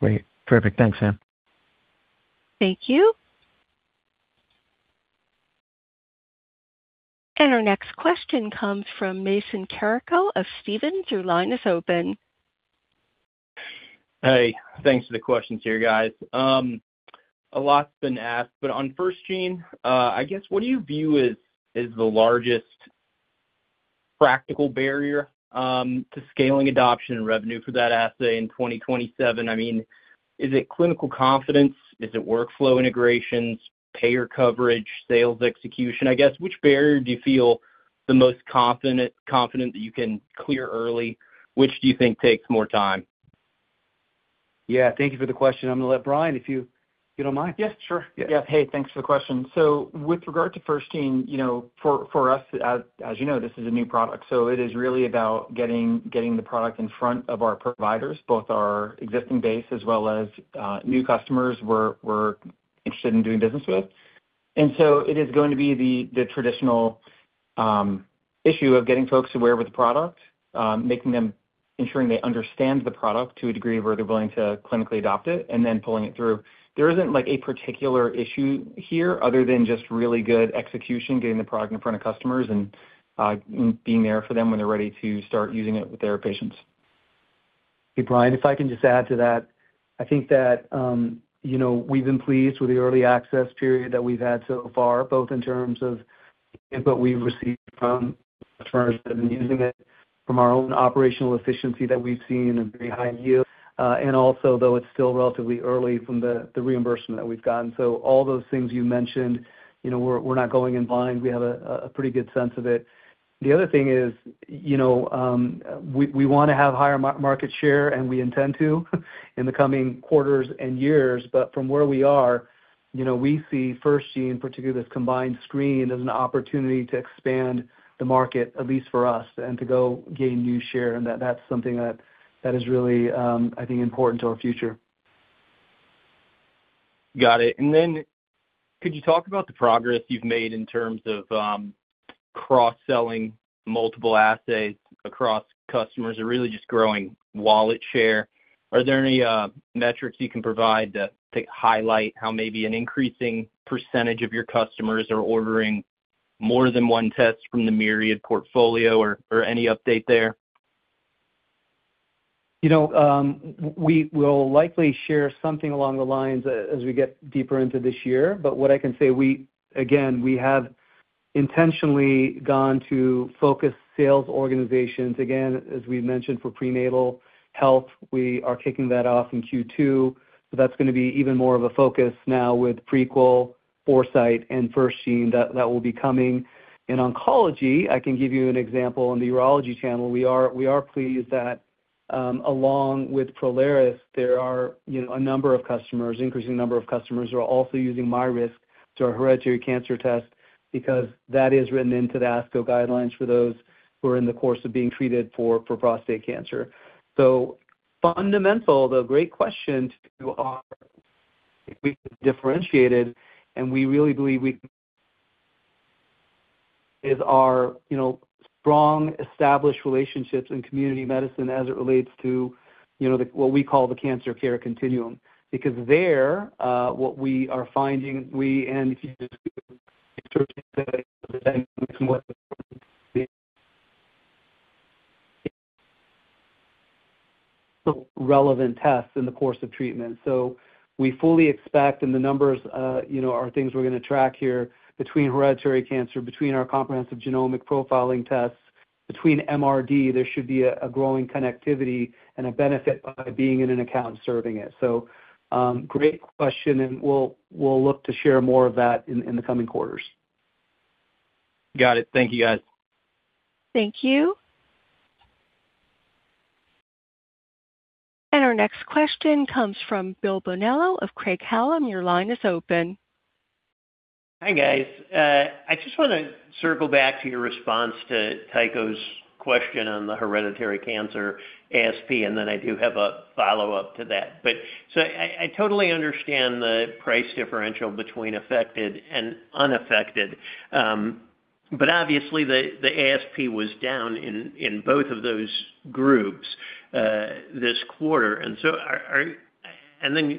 Great. Perfect. Thanks, Sam. Thank you. Our next question comes from Mason Carrico of Stephens. Your line is open. Hey, thanks for the questions here, guys. A lot's been asked, but on FirstGene, I guess, what do you view as, as the largest practical barrier, to scaling adoption and revenue for that assay in 2027? I mean, is it clinical confidence? Is it workflow integrations, payer coverage, sales execution? I guess, which barrier do you feel the most confident, confident that you can clear early? Which do you think takes more time? Yeah, thank you for the question. I'm going to let Brian, if you, you don't mind. Yes, sure. Yeah. Yeah. Hey, thanks for the question. With regard to FirstGene, you know, for us, as you know, this is a new product, so it is really about getting, getting the product in front of our providers, both our existing base as well as new customers we're interested in doing business with. It is going to be the, the traditional issue of getting folks aware of the product, ensuring they understand the product to a degree where they're willing to clinically adopt it and then pulling it through. There isn't, like, a particular issue here other than just really good execution, getting the product in front of customers and being there for them when they're ready to start using it with their patients. Hey, Brian, if I can just add to that. I think that, you know, we've been pleased with the early access period that we've had so far, both in terms of the input we've received from customers that have been using it, from our own operational efficiency that we've seen and behind you, and also, though it's still relatively early from the, the reimbursement that we've gotten. All those things you mentioned, you know, we're, we're not going in blind. We have a, a pretty good sense of it. The other thing is, you know, we, we want to have higher mar-market share, and we intend to in the coming quarters and years, but from where we are, you know, we see FirstGene, particularly this combined screen, as an opportunity to expand the market, at least for us, and to go gain new share. That, that's something that, that is really, I think, important to our future. Got it. Could you talk about the progress you've made in terms of cross-selling multiple assays across customers or really just growing wallet share? Are there any metrics you can provide to highlight how maybe an increasing percentage of your customers are ordering more than one test from the Myriad portfolio, or any update there? You know, we will likely share something along the lines as we get deeper into this year, but what I can say, Again, we have intentionally gone to focus sales organizations. Again, as we mentioned, for prenatal health, we are kicking that off in Q2, so that's going to be even more of a focus now with Prequel, Foresight and FirstGene that will be coming. In oncology, I can give you an example, in the urology channel, we are pleased that, along with Prolaris, there are, you know, a number of customers, increasing number of customers who are also using MyRisk to our hereditary cancer test, because that is written into the ASCO guidelines for those who are in the course of being treated for, for prostate cancer. Fundamental, the great question to our, we differentiated, and we really believe we. [inaudible] Is our, you know, strong, established relationships in community medicine as it relates to, you know, the, what we call the cancer care continuum. There, what we are finding, we and [inaudible] relevant tests in the course of treatment. We fully expect, and the numbers, you know, are things we're going to track here between hereditary cancer, between our comprehensive genomic profiling tests, between MRD, there should be a, a growing connectivity and a benefit by being in an account serving it. Great question, and we'll, we'll look to share more of that in, in the coming quarters. Got it. Thank you, guys. Thank you. Our next question comes from Bill Bonello of Craig-Hallum. Your line is open. Hi, guys. I just want to circle back to your response to Tycho's question on the hereditary cancer ASP, then I do have a follow-up to that. I, I totally understand the price differential between affected and unaffected, but obviously, the ASP was down in, in both of those groups this quarter.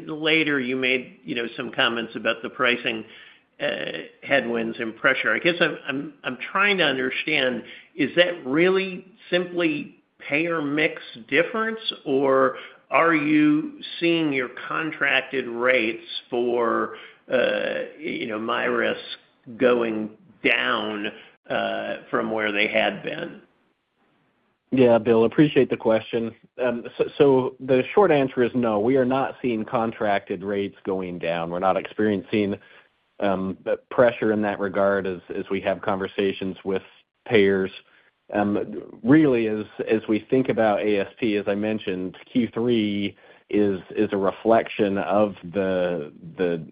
Later, you made, you know, some comments about the pricing, headwinds and pressure. I guess I'm, I'm, I'm trying to understand, is that really simply payer mix difference, or are you seeing your contracted rates for, you know, MyRisk going down, from where they had been? Yeah, Bill, appreciate the question. The short answer is no, we are not seeing contracted rates going down. We're not experiencing pressure in that regard as we have conversations with payers. Really, as we think about ASP, as I mentioned, Q3 is a reflection of the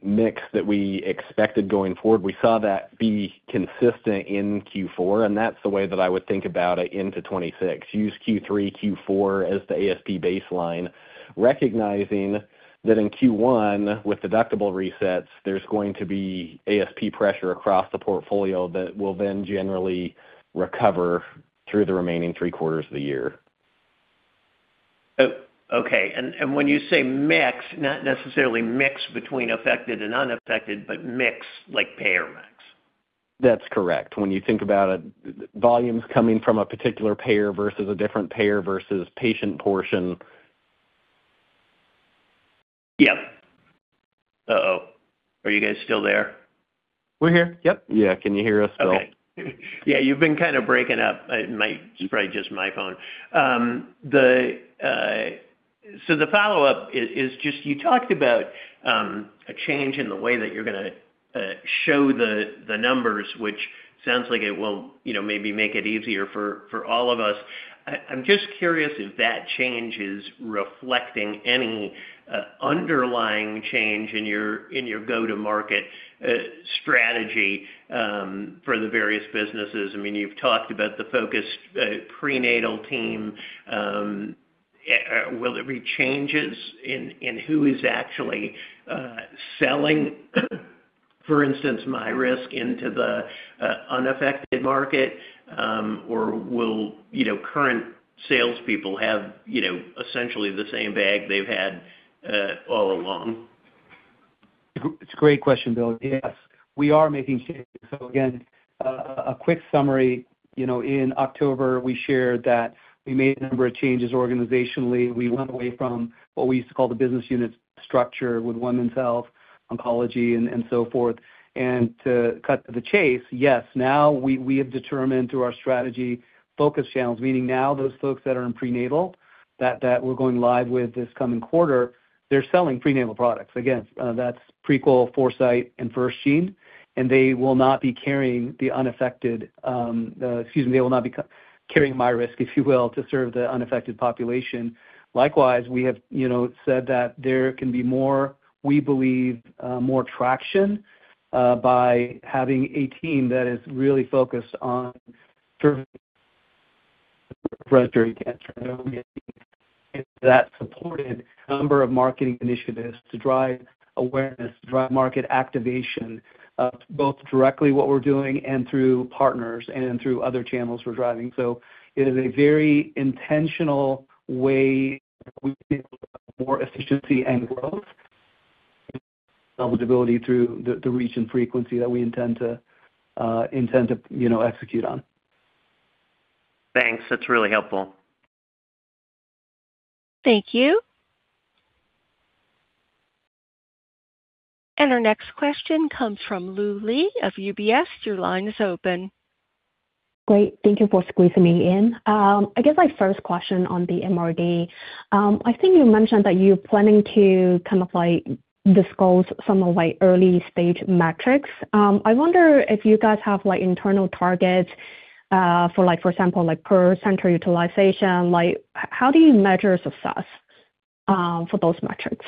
mix that we expected going forward. We saw that be consistent in Q4. That's the way that I would think about it into 2026. Use Q3, Q4 as the ASP baseline, recognizing that in Q1, with deductible resets, there's going to be ASP pressure across the portfolio that will then generally recover through the remaining 3 quarters of the year. Oh, okay. And when you say mix, not necessarily mix between affected and unaffected, but mix like payer mix. That's correct. When you think about it, volumes coming from a particular payer versus a different payer versus patient portion. Yep. Oh, are you guys still there? We're here. Yep. Yeah. Can you hear us, Bill? Okay. Yeah, you've been kind of breaking up. It might. It's probably just my phone. The follow-up is, is just you talked about a change in the way that you're going to show the numbers, which sounds like it will, you know, maybe make it easier for, for all of us. I, I'm just curious if that change is reflecting any underlying change in your go-to-market strategy for the various businesses. I mean, you've talked about the focused prenatal team. Will there be changes in who is actually selling, for instance, MyRisk into the unaffected market? Will, you know, current salespeople have, you know, essentially the same bag they've had all along? It's a great question, Bill. Yes, we are making changes. Again, a quick summary. You know, in October, we shared that we made a number of changes organizationally. We went away from what we used to call the business unit structure with women's health, oncology, and, and so forth. To cut to the chase, yes, now we, we have determined through our strategy focus channels, meaning now those folks that are in prenatal, that, that we're going live with this coming quarter, they're selling prenatal products. Again, that's Prequel, Foresight, and FirstGene, and they will not be carrying the unaffected, excuse me, they will not be carrying MyRisk, if you will, to serve the unaffected population. Likewise, we have, you know, said that there can be more, we believe, more traction, by having a team that is really focused on serving breast cancer. That supported a number of marketing initiatives to drive awareness, to drive market activation, both directly what we're doing and through partners and through other channels we're driving. It is a very intentional way we build more efficiency and growth, visibility through the, the reach and frequency that we intend to, intend to, you know, execute on. Thanks. That's really helpful. Thank you. Our next question comes from Lu Li of UBS. Your line is open. Great, thank you for squeezing me in. I guess my first question on the MRD, I think you mentioned that you're planning to kind of, like, disclose some of my early-stage metrics. I wonder if you guys have, like, internal targets, for like, for example, like per center utilization, like, how do you measure success, for those metrics?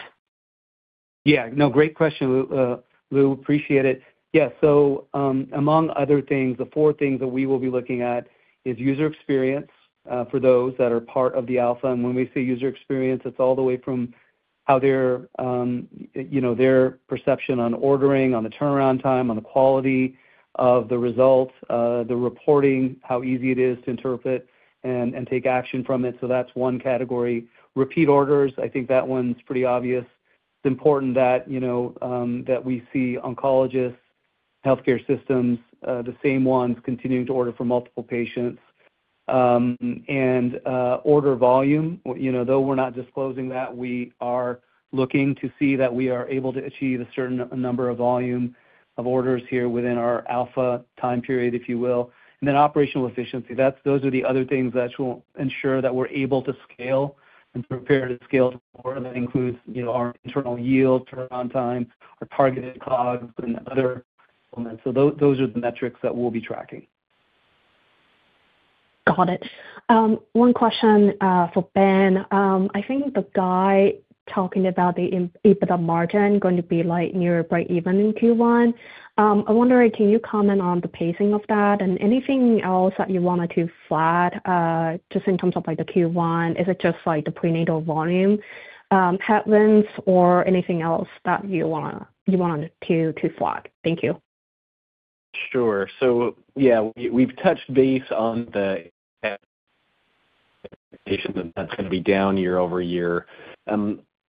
Yeah. No, great question, Lu, Lu, appreciate it. Yeah, so, among other things, the 4 things that we will be looking at is user experience for those that are part of the alpha. When we say user experience, it's all the way from how their, you know, their perception on ordering, on the turnaround time, on the quality of the results, the reporting, how easy it is to interpret and take action from it. That's one category. Repeat orders. I think that one's pretty obvious. It's important that, you know, that we see oncologists, healthcare systems, the same ones continuing to order for multiple patients. Order volume. You know, though we're not disclosing that, we are looking to see that we are able to achieve a certain number of volume of orders here within our alpha time period, if you will. Operational efficiency. Those are the other things that will ensure that we're able to scale and prepare to scale more. That includes, you know, our internal yield, turnaround time, our targeted COGS, and other elements. Those are the metrics that we'll be tracking. Got it. One question for Ben. I think the guy talking about the EBITDA margin going to be, like, near break even in Q1. I wonder, can you comment on the pacing of that and anything else that you wanted to flag, just in terms of, like, the Q1? Is it just, like, the prenatal volume headwinds or anything else that you want to flag? Thank you. Sure. Yeah, we've touched base on the, that's going to be down year-over-year.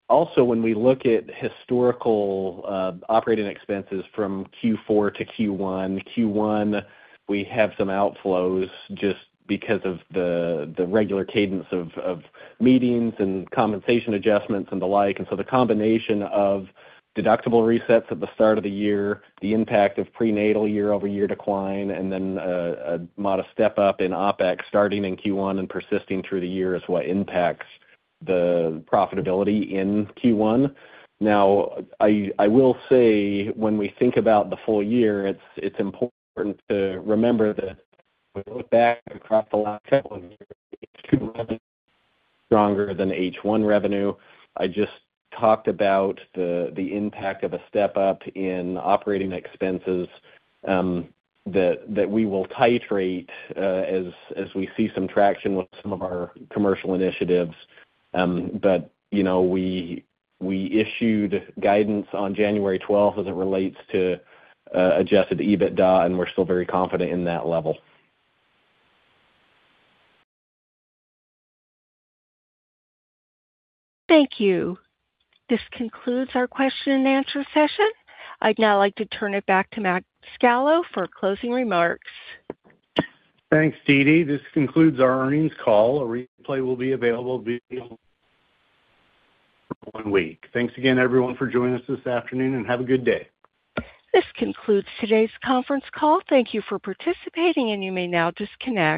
Also, when we look at historical, operating expenses from Q4 to Q1, Q1, we have some outflows just because of the regular cadence of meetings and compensation adjustments and the like. The combination of deductible resets at the start of the year, the impact of prenatal year-over-year decline, and then, a modest step up in OpEx starting in Q1 and persisting through the year is what impacts the profitability in Q1. I will say, when we think about the full year, it's important to remember that when we look back across the last couple of years, H2 revenue is stronger than H1 revenue. I just talked about the, the impact of a step up in operating expenses, that, that we will titrate, as, as we see some traction with some of our commercial initiatives. You know, we, we issued guidance on January 12th as it relates to adjusted EBITDA, and we're still very confident in that level. Thank you. This concludes our question and answer session. I'd now like to turn it back to Matt Scalo for closing remarks. Thanks, Dee Dee. This concludes our earnings call. A replay will be available via for one week. Thanks again, everyone, for joining us this afternoon, and have a good day. This concludes today's conference call. Thank you for participating. You may now disconnect.